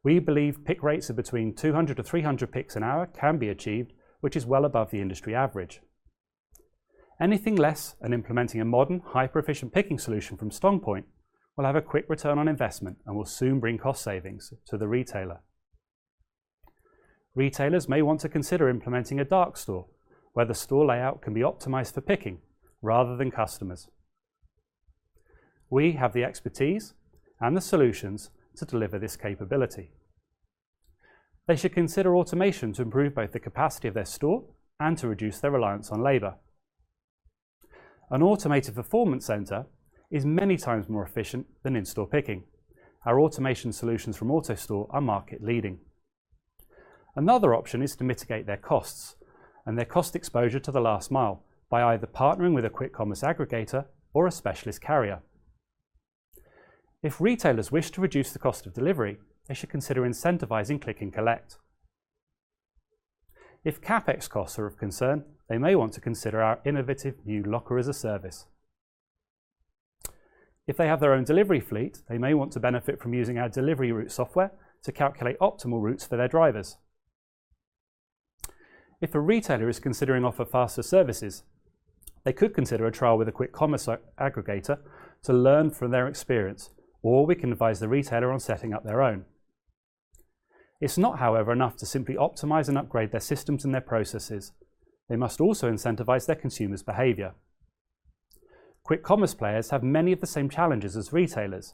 We believe pick rates of between 200-300 picks an hour can be achieved, which is well above the industry average. Anything less and implementing a modern, hyper-efficient picking solution from StrongPoint will have a quick return on investment and will soon bring cost savings to the retailer. Retailers may want to consider implementing a dark store where the store layout can be optimized for picking rather than customers. We have the expertise and the solutions to deliver this capability. They should consider automation to improve both the capacity of their store and to reduce their reliance on labor. An automated fulfillment center is many times more efficient than in-store picking. Our automation solutions from AutoStore are market-leading. Another option is to mitigate their costs and their cost exposure to the last mile by either partnering with a quick commerce aggregator or a specialist carrier. If retailers wish to reduce the cost of delivery, they should consider incentivizing click and collect. If CapEx costs are of concern, they may want to consider our innovative new Locker-as-a-Service. If they have their own delivery fleet, they may want to benefit from using our delivery route software to calculate optimal routes for their drivers. If a retailer is considering offering faster services, they could consider a trial with a quick commerce aggregator to learn from their experience, or we can advise the retailer on setting up their own. It's not, however, enough to simply optimize and upgrade their systems and their processes. They must also incentivize their consumers' behavior. Quick commerce players have many of the same challenges as retailers,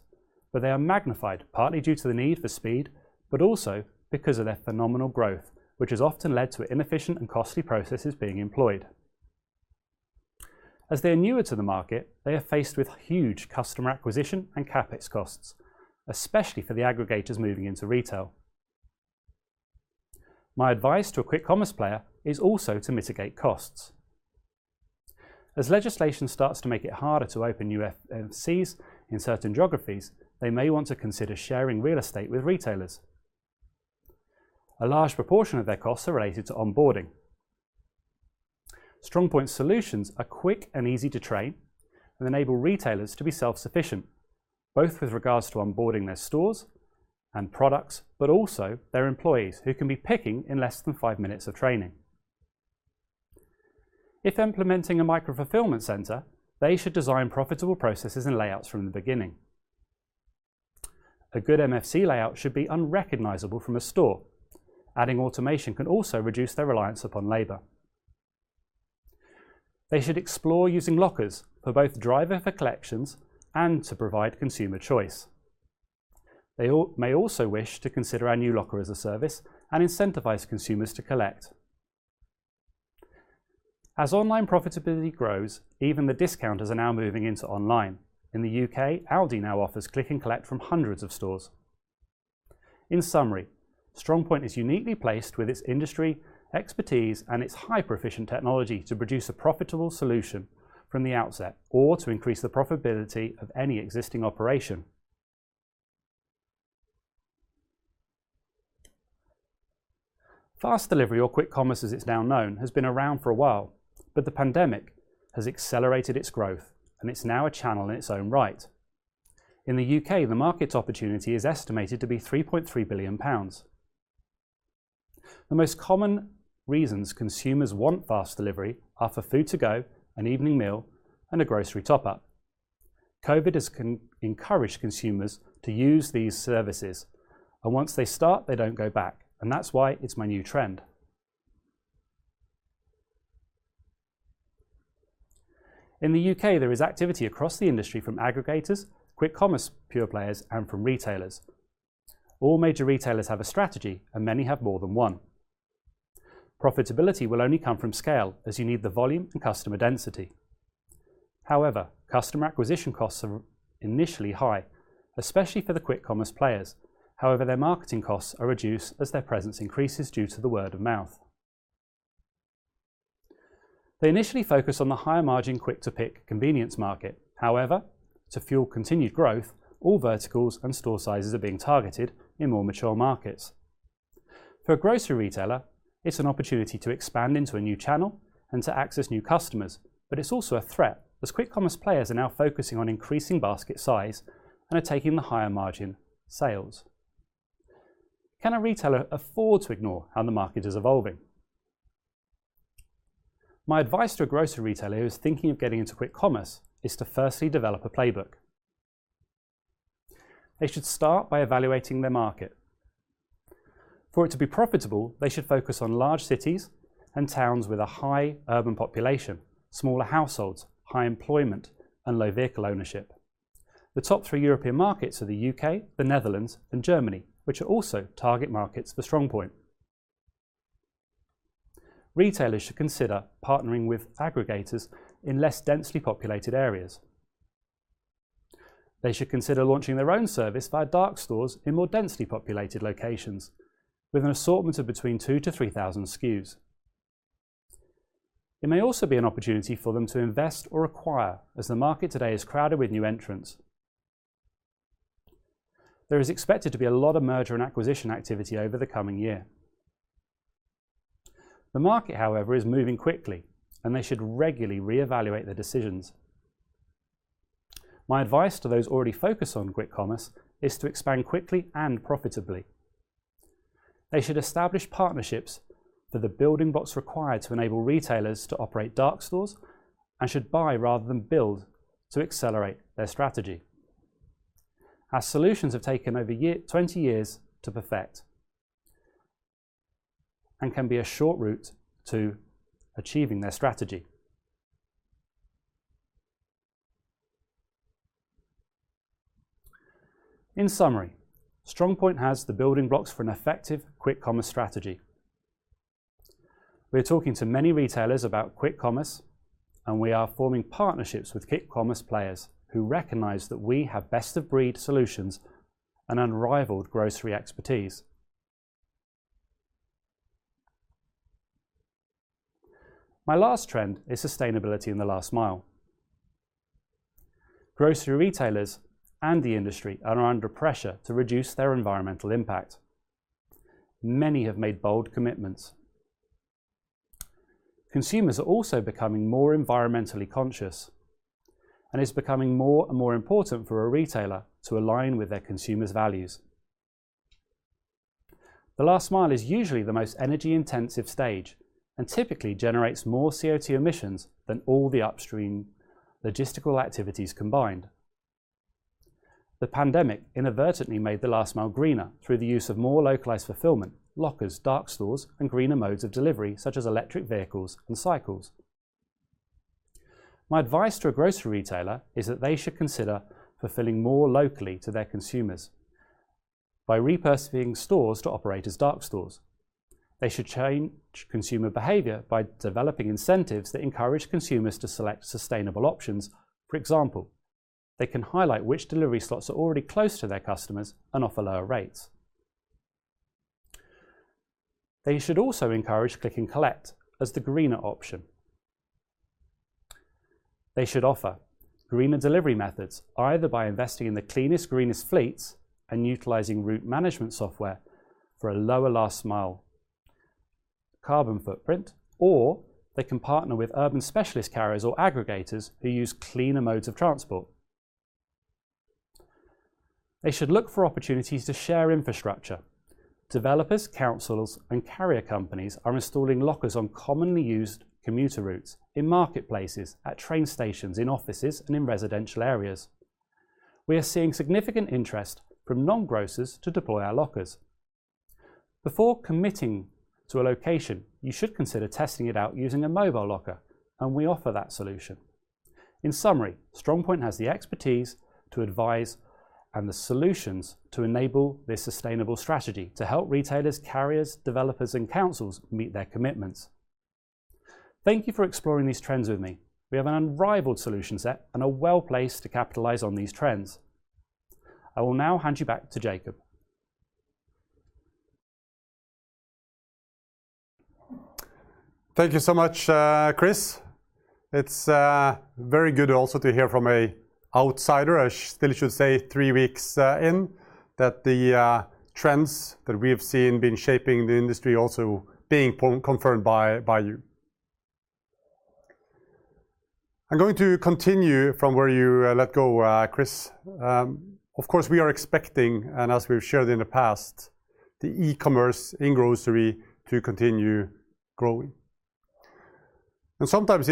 but they are magnified partly due to the need for speed, but also because of their phenomenal growth, which has often led to inefficient and costly processes being employed. As they're newer to the market, they are faced with huge customer acquisition and CapEx costs, especially for the aggregators moving into retail. My advice to a quick commerce player is also to mitigate costs. As legislation starts to make it harder to open new MFCs in certain geographies, they may want to consider sharing real estate with retailers. A large proportion of their costs are related to onboarding. StrongPoint solutions are quick and easy to train and enable retailers to be self-sufficient, both with regards to onboarding their stores and products, but also their employees who can be picking in less than five minutes of training. If implementing a micro-fulfillment center, they should design profitable processes and layouts from the beginning. A good MFC layout should be unrecognizable from a store. Adding automation can also reduce their reliance upon labor. They should explore using lockers for both driver for collections and to provide consumer choice. They may also wish to consider our new Locker-as-a-Service and incentivize consumers to collect. As online profitability grows, even the discounters are now moving into online. In the U.K., Aldi now offers click and collect from hundreds of stores. In summary, StrongPoint is uniquely placed with its industry expertise and its hyper-efficient technology to produce a profitable solution from the outset or to increase the profitability of any existing operation. Fast delivery or quick commerce as it's now known has been around for a while, but the pandemic has accelerated its growth, and it's now a channel in its own right. In the U.K., the market opportunity is estimated to be 3.3 billion pounds. The most common reasons consumers want fast delivery are for food to go, an evening meal, and a grocery top-up. COVID has encouraged consumers to use these services, and once they start, they don't go back, and that's why it's the new trend. In the U.K., there is activity across the industry from aggregators, quick commerce pure players, and from retailers. All major retailers have a strategy, and many have more than one. Profitability will only come from scale as you need the volume and customer density. However, customer acquisition costs are initially high, especially for the quick commerce players. However, their marketing costs are reduced as their presence increases due to the word of mouth. They initially focus on the higher margin, quick-to-pick convenience market. However, to fuel continued growth, all verticals and store sizes are being targeted in more mature markets. For a grocery retailer, it's an opportunity to expand into a new channel and to access new customers. But it's also a threat, as quick commerce players are now focusing on increasing basket size and are taking the higher margin sales. Can a retailer afford to ignore how the market is evolving? My advice to a grocery retailer who is thinking of getting into quick commerce is to firstly develop a playbook. They should start by evaluating their market. For it to be profitable, they should focus on large cities and towns with a high urban population, smaller households, high employment, and low vehicle ownership. The top three European markets are the U.K., the Netherlands, and Germany, which are also target markets for StrongPoint. Retailers should consider partnering with aggregators in less densely populated areas. They should consider launching their own service via dark stores in more densely populated locations with an assortment of between 2,000-3,000 SKUs. It may also be an opportunity for them to invest or acquire as the market today is crowded with new entrants. There is expected to be a lot of merger and acquisition activity over the coming year. The market, however, is moving quickly, and they should regularly reevaluate their decisions. My advice to those already focused on quick commerce is to expand quickly and profitably. They should establish partnerships that are building what's required to enable retailers to operate dark stores and should buy rather than build to accelerate their strategy. Our solutions have taken 20 years to perfect and can be a short route to achieving their strategy. In summary, StrongPoint has the building blocks for an effective quick commerce strategy. We're talking to many retailers about quick commerce, and we are forming partnerships with quick commerce players who recognize that we have best-of-breed solutions and unrivaled grocery expertise. My last trend is sustainability in the last mile. Grocery retailers and the industry are under pressure to reduce their environmental impact. Many have made bold commitments. Consumers are also becoming more environmentally conscious, and it's becoming more and more important for a retailer to align with their consumers' values. The last mile is usually the most energy-intensive stage and typically generates more CO2 emissions than all the upstream logistical activities combined. The pandemic inadvertently made the last mile greener through the use of more localized fulfillment, lockers, dark stores, and greener modes of delivery, such as electric vehicles and cycles. My advice to a grocery retailer is that they should consider fulfilling more locally to their consumers by repurposing stores to operate as dark stores. They should change consumer behavior by developing incentives that encourage consumers to select sustainable options. For example, they can highlight which delivery slots are already close to their customers and offer lower rates. They should also encourage click and collect as the greener option. They should offer greener delivery methods, either by investing in the cleanest, greenest fleets and utilizing route management software for a lower last mile carbon footprint, or they can partner with urban specialist carriers or aggregators who use cleaner modes of transport. They should look for opportunities to share infrastructure. Developers, councils, and carrier companies are installing lockers on commonly used commuter routes, in marketplaces, at train stations, in offices, and in residential areas. We are seeing significant interest from non-grocers to deploy our lockers. Before committing to a location, you should consider testing it out using a mobile locker, and we offer that solution. In summary, StrongPoint has the expertise to advise and the solutions to enable this sustainable strategy to help retailers, carriers, developers, and councils meet their commitments. Thank you for exploring these trends with me. We have an unrivaled solution set and are well-placed to capitalize on these trends. I will now hand you back to Jacob. Thank you so much, Chris. It's very good also to hear from an outsider, I still should say three weeks in, that the trends that we have seen being shaping the industry also being confirmed by you. I'm going to continue from where you left off, Chris. Of course, we are expecting, and as we've shared in the past, the e-commerce in grocery to continue growing. Sometimes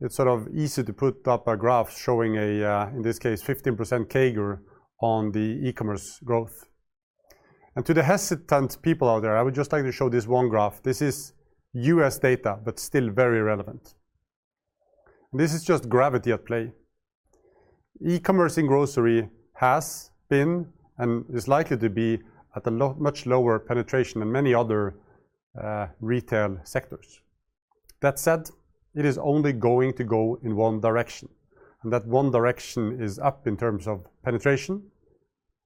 it's sort of easy to put up a graph showing, in this case, 15% CAGR on the e-commerce growth. To the hesitant people out there, I would just like to show this one graph. This is U.S. data, but still very relevant. This is just gravity at play. E-commerce in grocery has been and is likely to be at a much lower penetration than many other retail sectors. That said, it is only going to go in one direction, and that one direction is up in terms of penetration,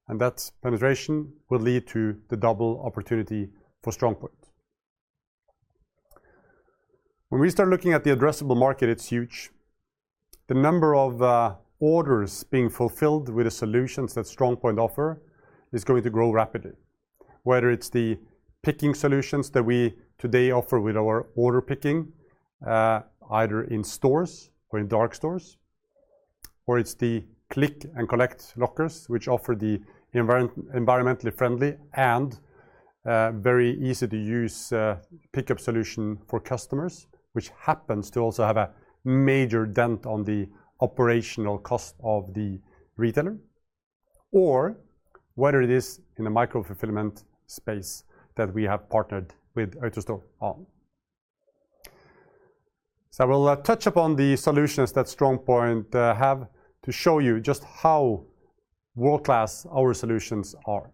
and that penetration will lead to the double opportunity for StrongPoint. When we start looking at the addressable market, it's huge. The number of orders being fulfilled with the solutions that StrongPoint offer is going to grow rapidly. Whether it's the picking solutions that we today offer with our order picking, either in stores or in dark stores, or it's the Click & Collect Lockers, which offer the environmentally friendly and very easy-to-use pickup solution for customers, which happens to also have a major dent on the operational cost of the retailer, or whether it is in the micro-fulfillment space that we have partnered with AutoStore on. I will touch upon the solutions that StrongPoint have to show you just how world-class our solutions are.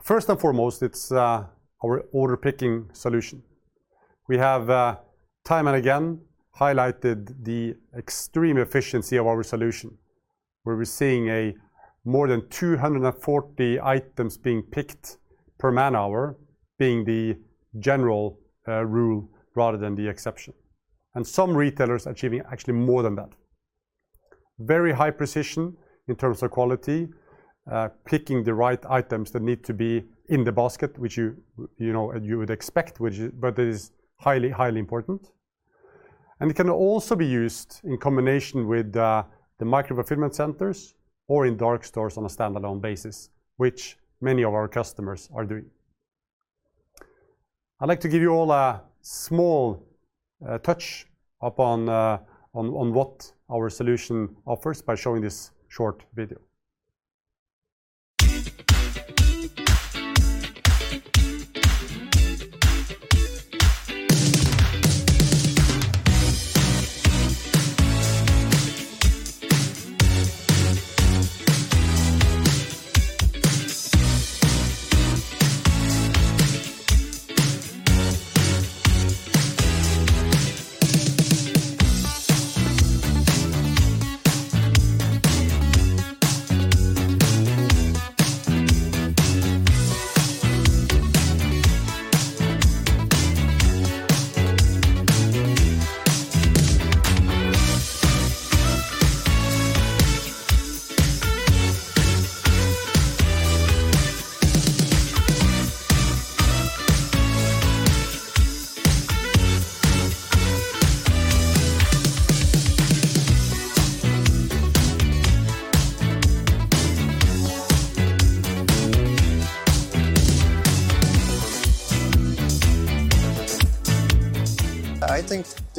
First and foremost, it's our order picking solution. We have time and again highlighted the extreme efficiency of our solution, where we're seeing more than 240 items being picked per man-hour being the general rule rather than the exception. Some retailers achieving actually more than that. Very high precision in terms of quality, picking the right items that need to be in the basket, which you know you would expect, but it is highly important, and it can also be used in combination with the micro-fulfillment centers or in dark stores on a standalone basis, which many of our customers are doing. I'd like to give you all a small touch upon on what our solution offers by showing this short video.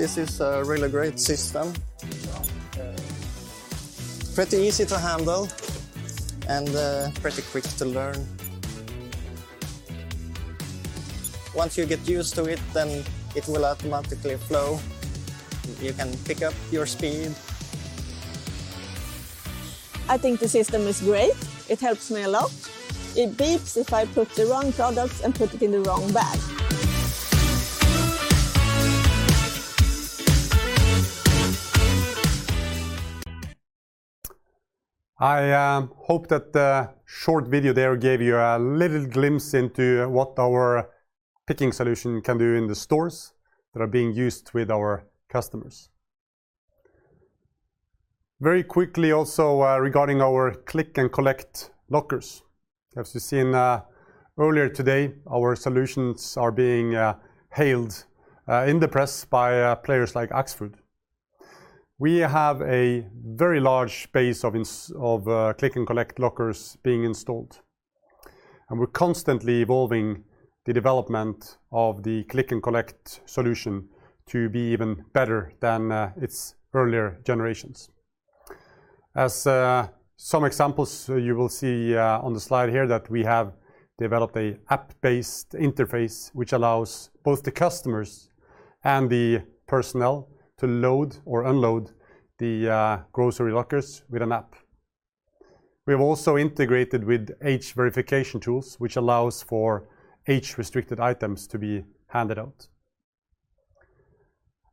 I think this is a really great system. Pretty easy to handle and pretty quick to learn. Once you get used to it, then it will automatically flow. You can pick up your speed. I think the system is great. It helps me a lot. It beeps if I put the wrong products and put it in the wrong bag. I hope that the short video there gave you a little glimpse into what our picking solution can do in the stores that are being used with our customers. Very quickly also, regarding our Click & Collect Lockers. As you've seen, earlier today, our solutions are being hailed in the press by players like Axfood. We have a very large base of Click & Collect Lockers being installed, and we're constantly evolving the development of the click and collect solution to be even better than its earlier generations. As some examples, you will see on the slide here that we have developed a app-based interface which allows both the customers and the personnel to load or unload the grocery lockers with an app. We have also integrated with age verification tools which allows for age-restricted items to be handed out.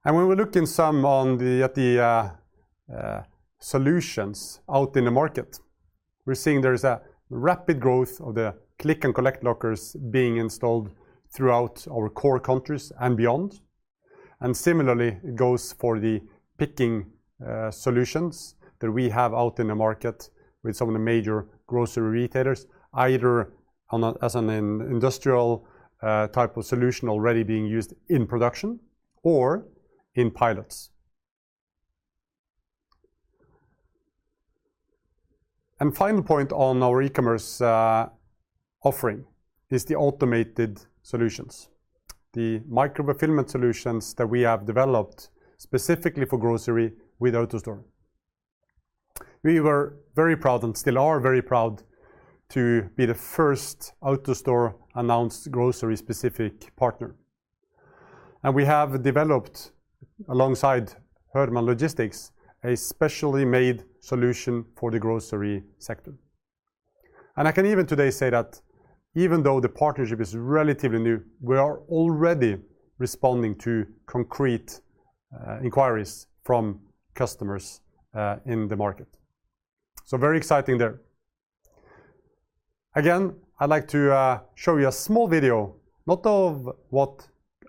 When we're looking at the solutions out in the market, we're seeing there is a rapid growth of the Click & Collect Lockers being installed throughout our core countries and beyond. Similarly, it goes for the picking solutions that we have out in the market with some of the major grocery retailers, either as an in-store type of solution already being used in production or in pilots. Final point on our e-commerce offering is the automated solutions, the micro-fulfillment solutions that we have developed specifically for grocery with AutoStore. We were very proud and still are very proud to be the first AutoStore announced grocery-specific partner. We have developed, alongside HÖRMANN Intralogistics, a specially made solution for the grocery sector. I can even today say that even though the partnership is relatively new, we are already responding to concrete inquiries from customers in the market. Very exciting there. Again, I'd like to show you a small video, not of what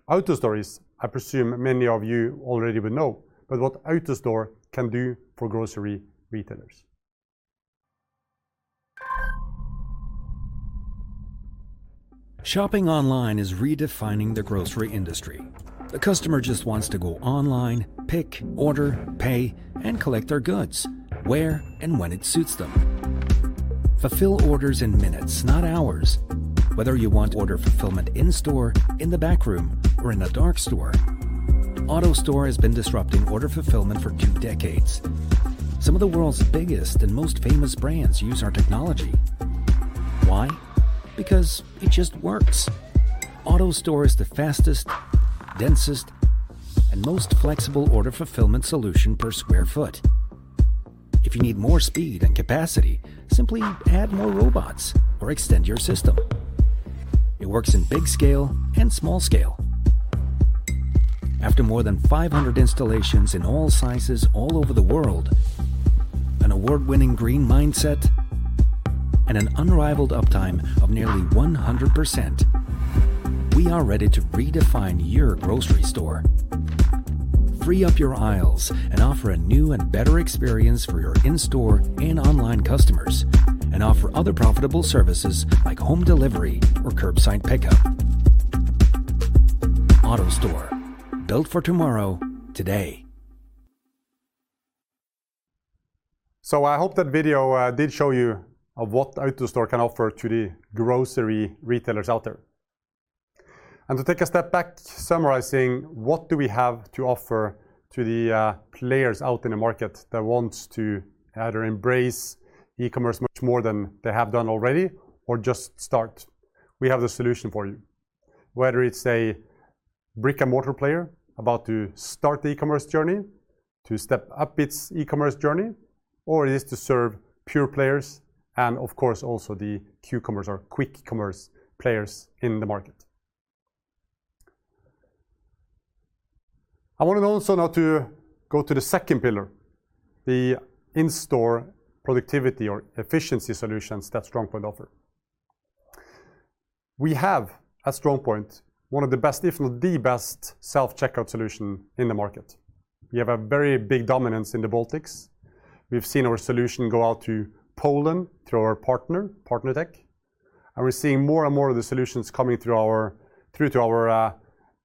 AutoStore is. I presume many of you already would know, but what AutoStore can do for grocery retailers. Shopping online is redefining the grocery industry. The customer just wants to go online, pick, order, pay, and collect their goods where and when it suits them. Fulfill orders in minutes, not hours. Whether you want order fulfillment in store, in the back room, or in a dark store, AutoStore has been disrupting order fulfillment for two decades. Some of the world's biggest and most famous brands use our technology. Why? Because it just works. AutoStore is the fastest, densest, and most flexible order fulfillment solution per square foot. If you need more speed and capacity, simply add more robots or extend your system. It works in big scale and small scale. After more than 500 installations in all sizes all over the world, an award-winning green mindset. An unrivaled uptime of nearly 100%. We are ready to redefine your grocery store, free up your aisles, and offer a new and better experience for your in-store and online customers, and offer other profitable services like home delivery or curbside pickup. AutoStore, built for tomorrow today. I hope that video did show you of what AutoStore can offer to the grocery retailers out there. To take a step back summarizing what do we have to offer to the players out in the market that wants to either embrace e-commerce much more than they have done already, or just start, we have the solution for you. Whether it's a brick-and-mortar player about to start the e-commerce journey, to step up its e-commerce journey, or it is to serve pure players, and of course also the Q-commerce or quick commerce players in the market. I wanted also now to go to the second pillar, the in-store productivity or efficiency solutions that StrongPoint offer. We have, at StrongPoint, one of the best, if not the best, Self-Checkout solution in the market. We have a very big dominance in the Baltics. We've seen our solution go out to Poland through our partner, Partner Tech, and we're seeing more and more of the solutions coming through to our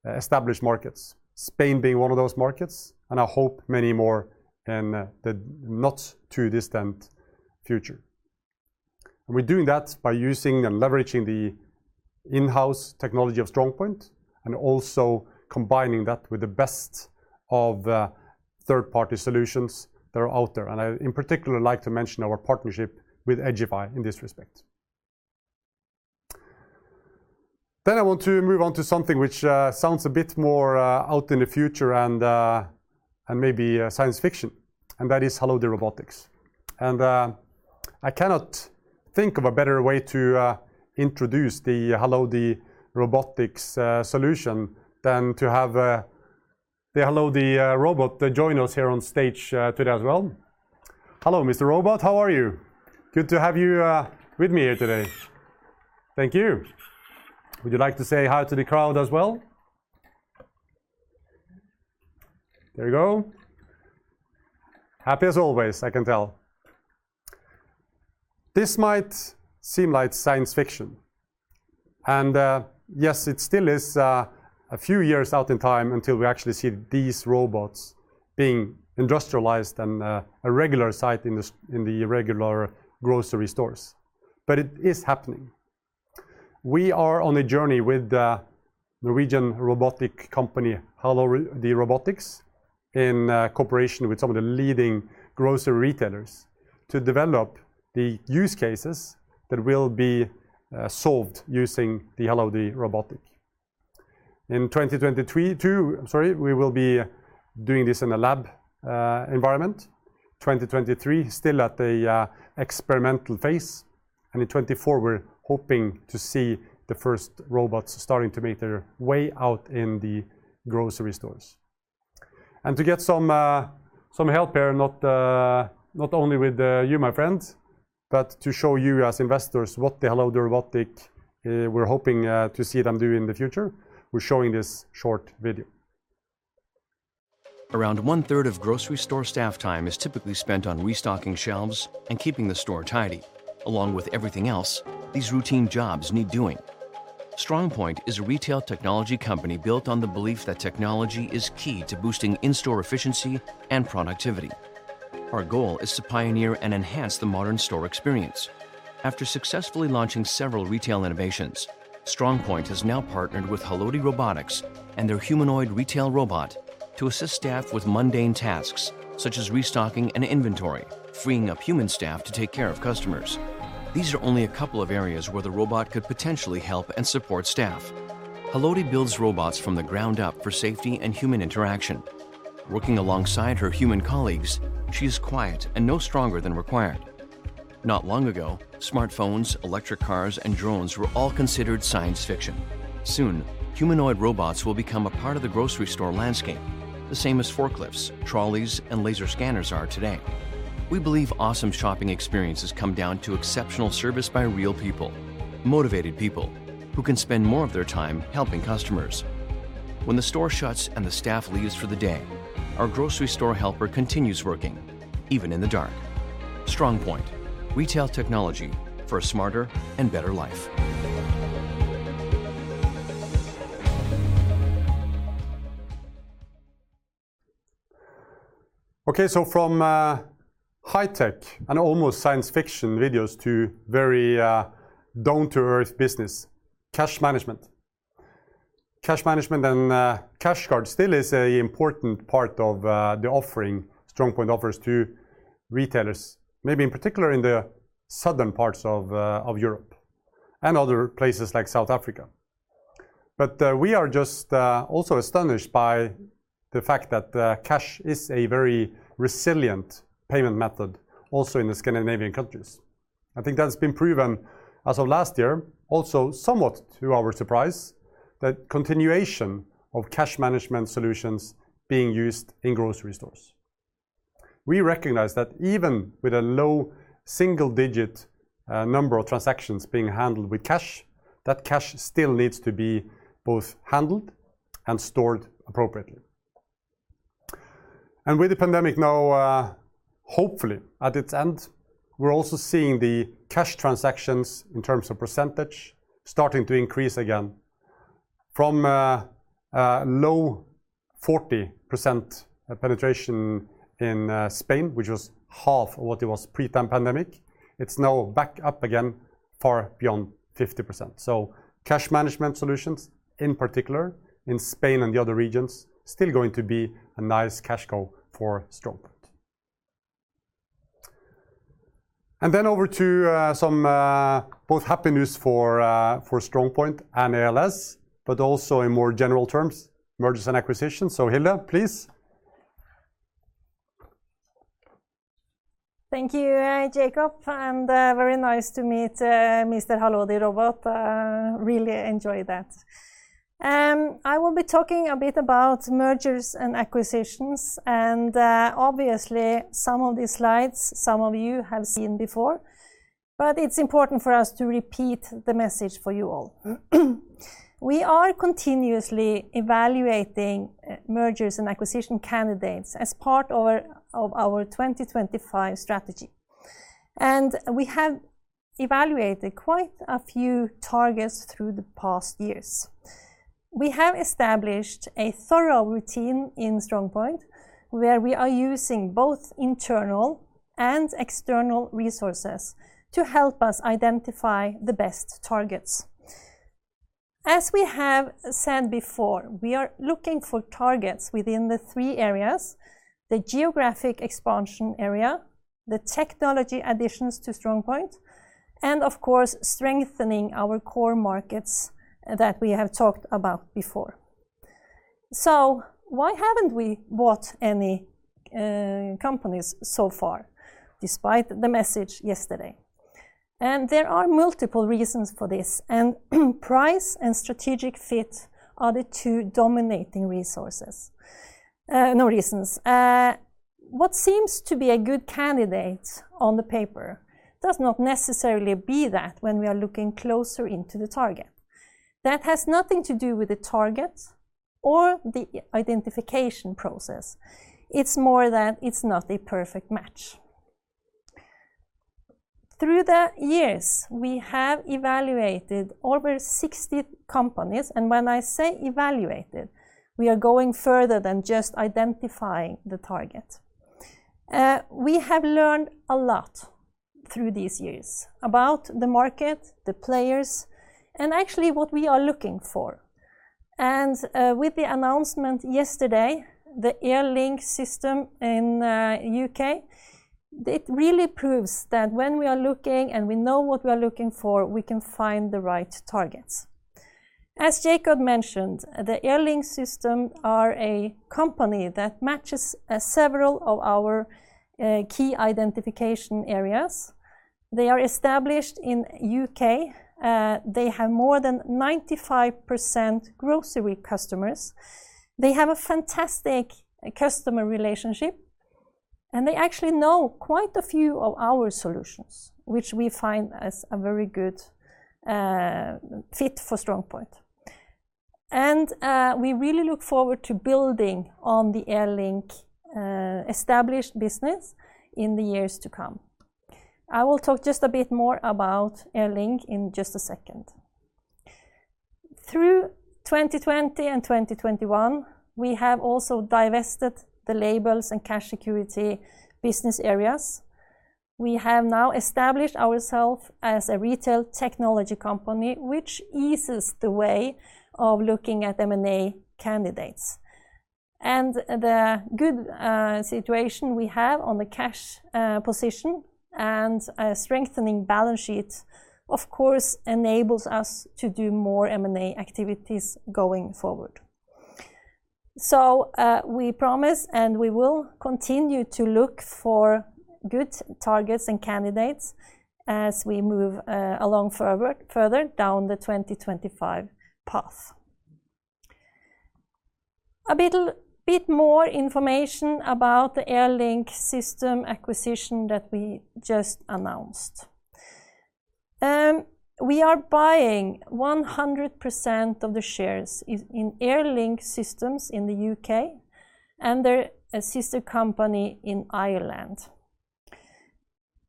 established markets, Spain being one of those markets, and I hope many more in the not too distant future. We're doing that by using and leveraging the in-house technology of StrongPoint and also combining that with the best of third-party solutions that are out there. I in particular like to mention our partnership with Agilysys in this respect. I want to move on to something which sounds a bit more out in the future and maybe science fiction, and that is Halodi Robotics. I cannot think of a better way to introduce the Halodi Robotics solution than to have the Halodi robot to join us here on stage today as well. Hello, Mr. Robot. How are you? Good to have you with me here today. Thank you. Would you like to say hi to the crowd as well? There you go. Happy as always, I can tell. This might seem like science fiction. Yes, it still is a few years out in time until we actually see these robots being industrialized and a regular sight in the regular grocery stores, but it is happening. We are on a journey with Norwegian robotic company Halodi Robotics in cooperation with some of the leading grocery retailers to develop the use cases that will be solved using the Halodi Robotics. In 2023 too, we will be doing this in a lab environment, 2023 still at the experimental phase, and in 2024 we're hoping to see the first robots starting to make their way out in the grocery stores. To get some help here, not only with you, my friend, but to show you as investors what the Halodi Robotics we're hoping to see them do in the future, we're showing this short video. Around one-third of grocery store staff time is typically spent on restocking shelves and keeping the store tidy. Along with everything else, these routine jobs need doing. StrongPoint is a retail technology company built on the belief that technology is key to boosting in-store efficiency and productivity. Our goal is to pioneer and enhance the modern store experience. After successfully launching several retail innovations, StrongPoint has now partnered with Halodi Robotics and their humanoid retail robot to assist staff with mundane tasks, such as restocking and inventory, freeing up human staff to take care of customers. These are only a couple of areas where the robot could potentially help and support staff. Halodi builds robots from the ground up for safety and human interaction. Working alongside her human colleagues, she's quiet and no stronger than required. Not long ago, smartphones, electric cars, and drones were all considered science fiction. Soon, humanoid robots will become a part of the grocery store landscape, the same as forklifts, trolleys, and laser scanners are today. We believe awesome shopping experiences come down to exceptional service by real people, motivated people who can spend more of their time helping customers. When the store shuts and the staff leaves for the day, our grocery store helper continues working, even in the dark. StrongPoint, retail technology for a smarter and better life. Okay, from high tech and almost science fiction videos to very down-to-earth business, cash management. Cash management and CashGuard still is a important part of the offering StrongPoint offers to retailers, maybe in particular in the southern parts of Europe and other places like South Africa. We are just also astonished by the fact that cash is a very resilient payment method also in the Scandinavian countries. I think that's been proven as of last year, also somewhat to our surprise, that continuation of cash management solutions being used in grocery stores. We recognize that even with a low single digit number of transactions being handled with cash, that cash still needs to be both handled and stored appropriately. With the pandemic now, hopefully at its end, we're also seeing the cash transactions in terms of percentage starting to increase again from low 40% penetration in Spain, which was half of what it was pre-pandemic. It's now back up again far beyond 50%. Cash management solutions, in particular in Spain and the other regions, still going to be a nice cash cow for StrongPoint. Then over to some both happy news for StrongPoint and ALS, but also in more general terms, mergers and acquisitions. Hilde, please. Thank you, Jacob, and very nice to meet Mr. Halodi Robotics. Really enjoyed that. I will be talking a bit about mergers and acquisitions, and obviously some of these slides, some of you have seen before, but it's important for us to repeat the message for you all. We are continuously evaluating mergers and acquisition candidates as part of our 2025 strategy, and we have evaluated quite a few targets through the past years. We have established a thorough routine in StrongPoint, where we are using both internal and external resources to help us identify the best targets. As we have said before, we are looking for targets within the three areas, the geographic expansion area, the technology additions to StrongPoint, and of course, strengthening our core markets that we have talked about before. Why haven't we bought any companies so far, despite the message yesterday? There are multiple reasons for this, and price and strategic fit are the two dominating reasons. What seems to be a good candidate on the paper does not necessarily be that when we are looking closer into the target. That has nothing to do with the target or the identification process. It's more that it's not a perfect match. Through the years, we have evaluated over 60 companies, and when I say evaluated, we are going further than just identifying the target. We have learned a lot through these years about the market, the players, and actually what we are looking for. With the announcement yesterday, the Airlink Systems in the U.K., it really proves that when we are looking and we know what we are looking for, we can find the right targets. As Jacob mentioned, the Airlink Systems are a company that matches several of our key identification areas. They are established in the U.K. They have more than 95% grocery customers. They have a fantastic customer relationship, and they actually know quite a few of our solutions, which we find as a very good fit for StrongPoint. We really look forward to building on the Airlink established business in the years to come. I will talk just a bit more about Airlink in just a second. Through 2020 and 2021, we have also divested the labels and cash security business areas. We have now established ourself as a retail technology company, which eases the way of looking at M&A candidates. The good situation we have on the cash position and strengthening balance sheet, of course, enables us to do more M&A activities going forward. We promise, and we will continue to look for good targets and candidates as we move along further down the 2025 path. A little bit more information about the Airlink Systems acquisition that we just announced. We are buying 100% of the shares in Airlink Systems in the U.K. and their sister company in Ireland.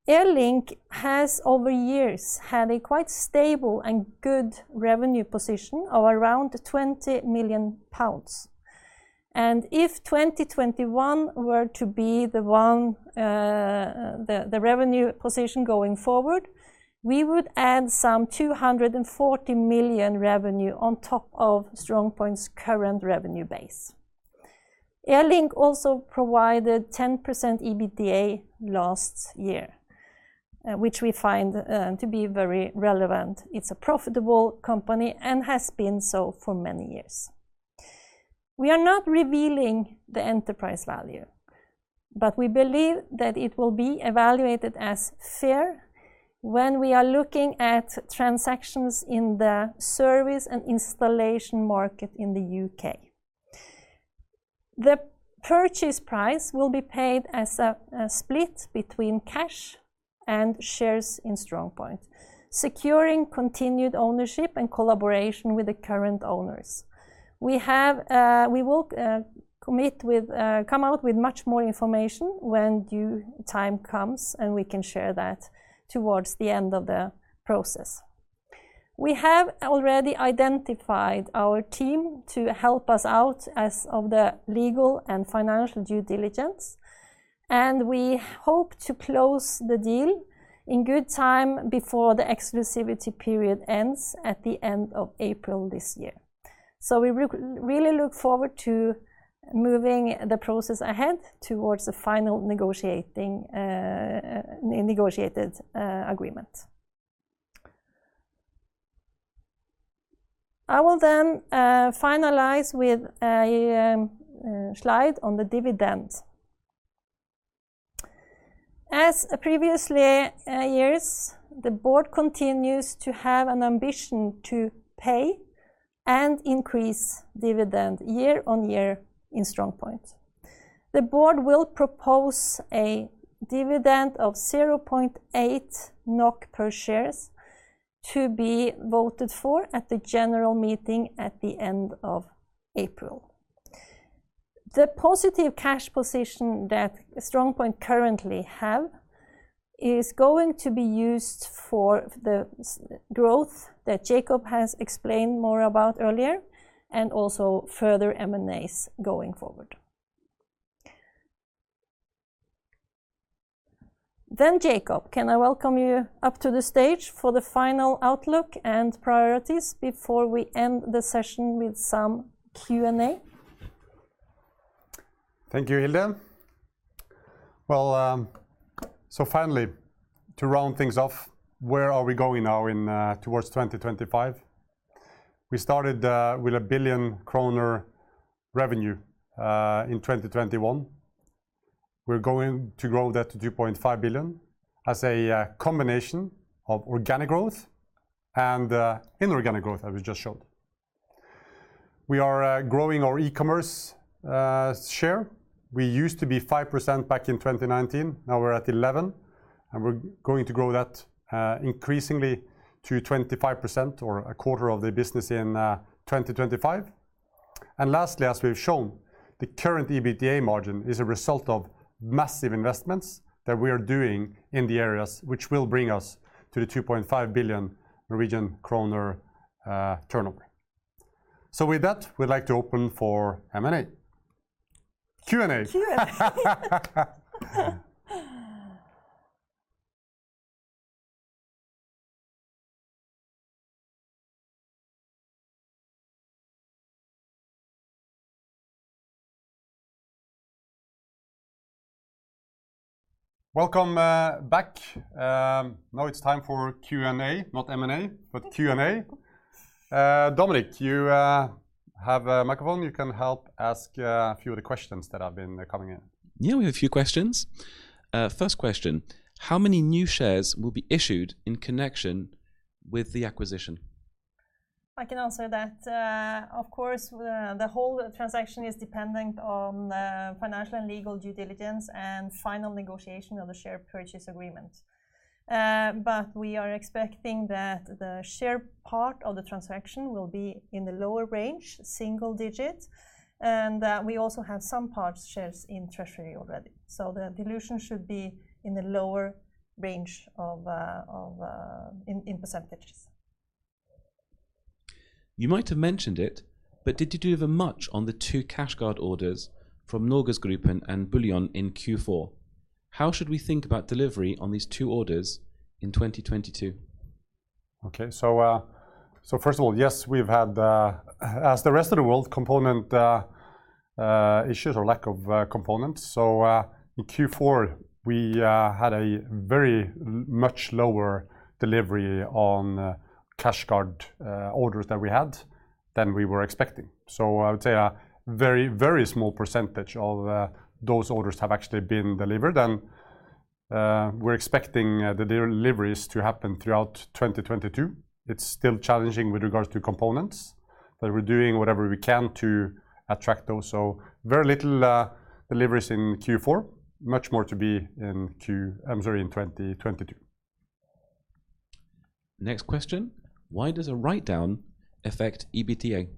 Airlink has over years had a quite stable and good revenue position of around 20 million pounds. If 2021 were to be the one, the revenue position going forward, we would add some 240 million revenue on top of StrongPoint's current revenue base. Airlink also provided 10% EBITDA last year, which we find to be very relevant. It's a profitable company and has been so for many years. We are not revealing the enterprise value, but we believe that it will be evaluated as fair. When we are looking at transactions in the service and installation market in the U.K. The purchase price will be paid as a split between cash and shares in StrongPoint, securing continued ownership and collaboration with the current owners. We will come out with much more information when due time comes, and we can share that towards the end of the process. We have already identified our team to help us out as of the legal and financial due diligence, and we hope to close the deal in good time before the exclusivity period ends at the end of April this year. We really look forward to moving the process ahead towards the final negotiated agreement. I will then finalize with a slide on the dividend. As in previous years, the board continues to have an ambition to pay and increase dividend year on year in StrongPoint. The board will propose a dividend of 0.8 NOK per share to be voted for at the general meeting at the end of April. The positive cash position that StrongPoint currently has is going to be used for the growth that Jacob has explained more about earlier, and also further M&As going forward. Jacob, can I welcome you up to the stage for the final outlook and priorities before we end the session with some Q&A? Thank you, Hilde. Well, finally, to round things off, where are we going now towards 2025? We started with 1 billion kroner revenue in 2021. We're going to grow that to 2.5 billion as a combination of organic growth and inorganic growth, as we just showed. We are growing our e-commerce share. We used to be 5% back in 2019. Now we're at 11%, and we're going to grow that increasingly to 25% or a quarter of the business in 2025. Lastly, as we've shown, the current EBITDA margin is a result of massive investments that we are doing in the areas which will bring us to the 2.5 billion Norwegian kroner turnover. With that, we'd like to open for Q&A. Q&A. Welcome back. Now it's time for Q&A. Dominic, you have a microphone. You can help ask a few of the questions that have been coming in. Yeah, we have a few questions. First question, how many new shares will be issued in connection with the acquisition? I can answer that. Of course, the whole transaction is dependent on financial and legal due diligence and final negotiation of the share purchase agreement. We are expecting that the share part of the transaction will be in the lower range, single digit, and that we also have some part shares in treasury already. The dilution should be in the lower range of percentages. You might have mentioned it, but did you do the math on the two CashGuard orders from NorgesGruppen and Bullion in Q4? How should we think about delivery on these two orders in 2022? Okay. First of all, yes, we've had, as the rest of the world, component issues or lack of components. In Q4, we had a very much lower delivery on CashGuard orders that we had than we were expecting. I would say a very, very small percentage of those orders have actually been delivered, and we're expecting the deliveries to happen throughout 2022. It's still challenging with regards to components, but we're doing whatever we can to attract those. Very little deliveries in Q4, much more to be in 2022. I'm sorry. Next question, why does a write-down affect EBITDA?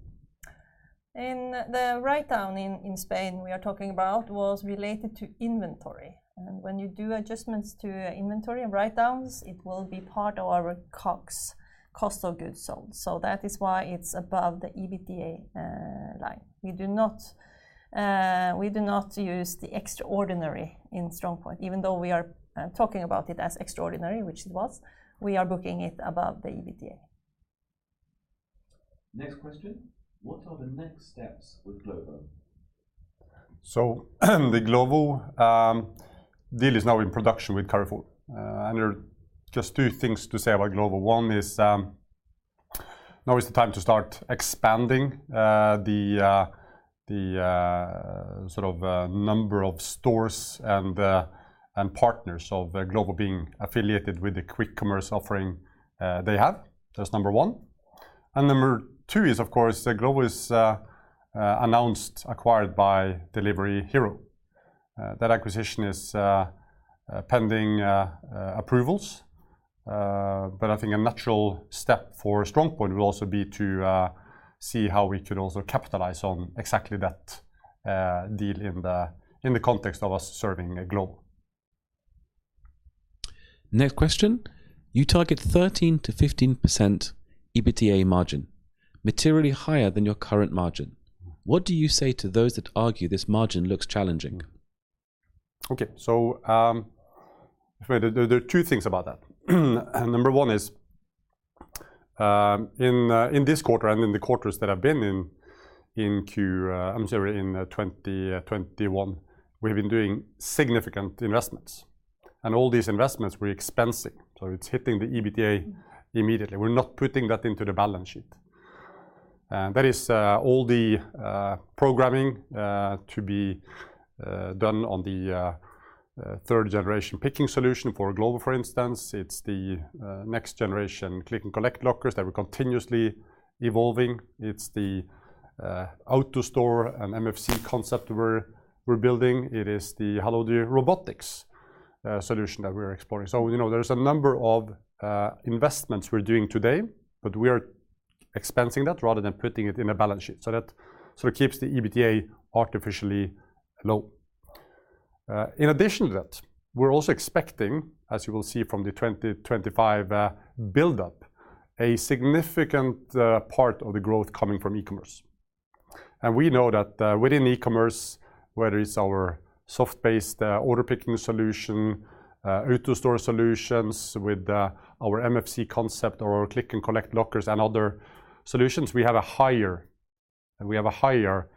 The write-down in Spain we are talking about was related to inventory. When you do adjustments to inventory and write-downs, it will be part of our COGS, cost of goods sold. That is why it's above the EBITDA line. We do not use the extraordinary in StrongPoint, even though we are talking about it as extraordinary, which it was. We are booking it above the EBITDA. Next question, what are the next steps with Glovo? The Glovo deal is now in production with Carrefour. There are just two things to say about Glovo. One is, now is the time to start expanding the sort of number of stores and partners of Glovo being affiliated with the quick commerce offering they have. That's number one. Number two is, of course, Glovo is announced acquired by Delivery Hero. That acquisition is pending approvals. I think a natural step for StrongPoint will also be to see how we could also capitalize on exactly that deal in the context of us serving Glovo. Next question, you target 13%-15% EBITDA margin, materially higher than your current margin. What do you say to those that argue this margin looks challenging? Okay. There are two things about that. Number one is, in this quarter and in the quarters that I've been in 2021, we've been doing significant investments, and all these investments were expensive, so it's hitting the EBITDA immediately. We're not putting that into the balance sheet. That is all the programming to be done on the third-generation picking solution for Glovo, for instance. It's the next-generation click-and-collect lockers that we're continuously evolving. It's the AutoStore and MFC concept we're building. It is the Halodi Robotics solution that we're exploring. You know, there's a number of investments we're doing today, but we are expensing that rather than putting it in a balance sheet. That sort of keeps the EBITDA artificially low. In addition to that, we're also expecting, as you will see from the 2025 buildup, a significant part of the growth coming from e-commerce. We know that within e-commerce, whether it's our SaaS-based order picking solution, AutoStore solutions with our MFC concept or our click-and-collect lockers and other solutions, we have a higher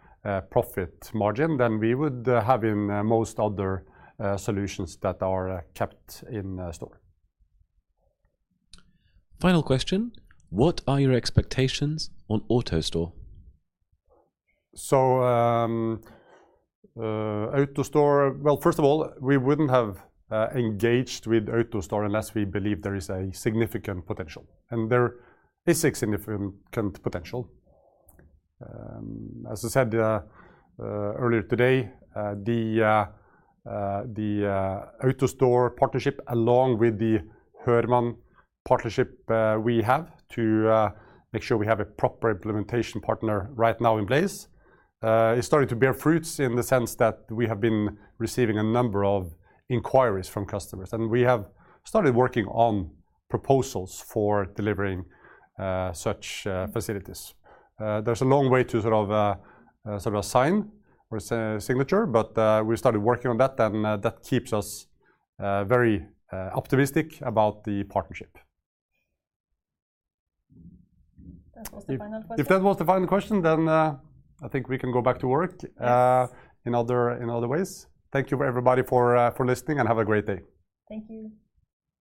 profit margin than we would have in most other solutions that are kept in store. Final question: What are your expectations on AutoStore? Well, first of all, we wouldn't have engaged with AutoStore unless we believe there is a significant potential, and there is significant potential. As I said earlier today, the AutoStore partnership along with the Hörmann partnership, we have to make sure we have a proper implementation partner right now in place, is starting to bear fruits in the sense that we have been receiving a number of inquiries from customers, and we have started working on proposals for delivering such facilities. There's a long way to sort of a sign or a signature, but we started working on that, and that keeps us very optimistic about the partnership. That was the final question. If that was the final question, then, I think we can go back to work. Yes in other ways. Thank you everybody for listening, and have a great day. Thank you.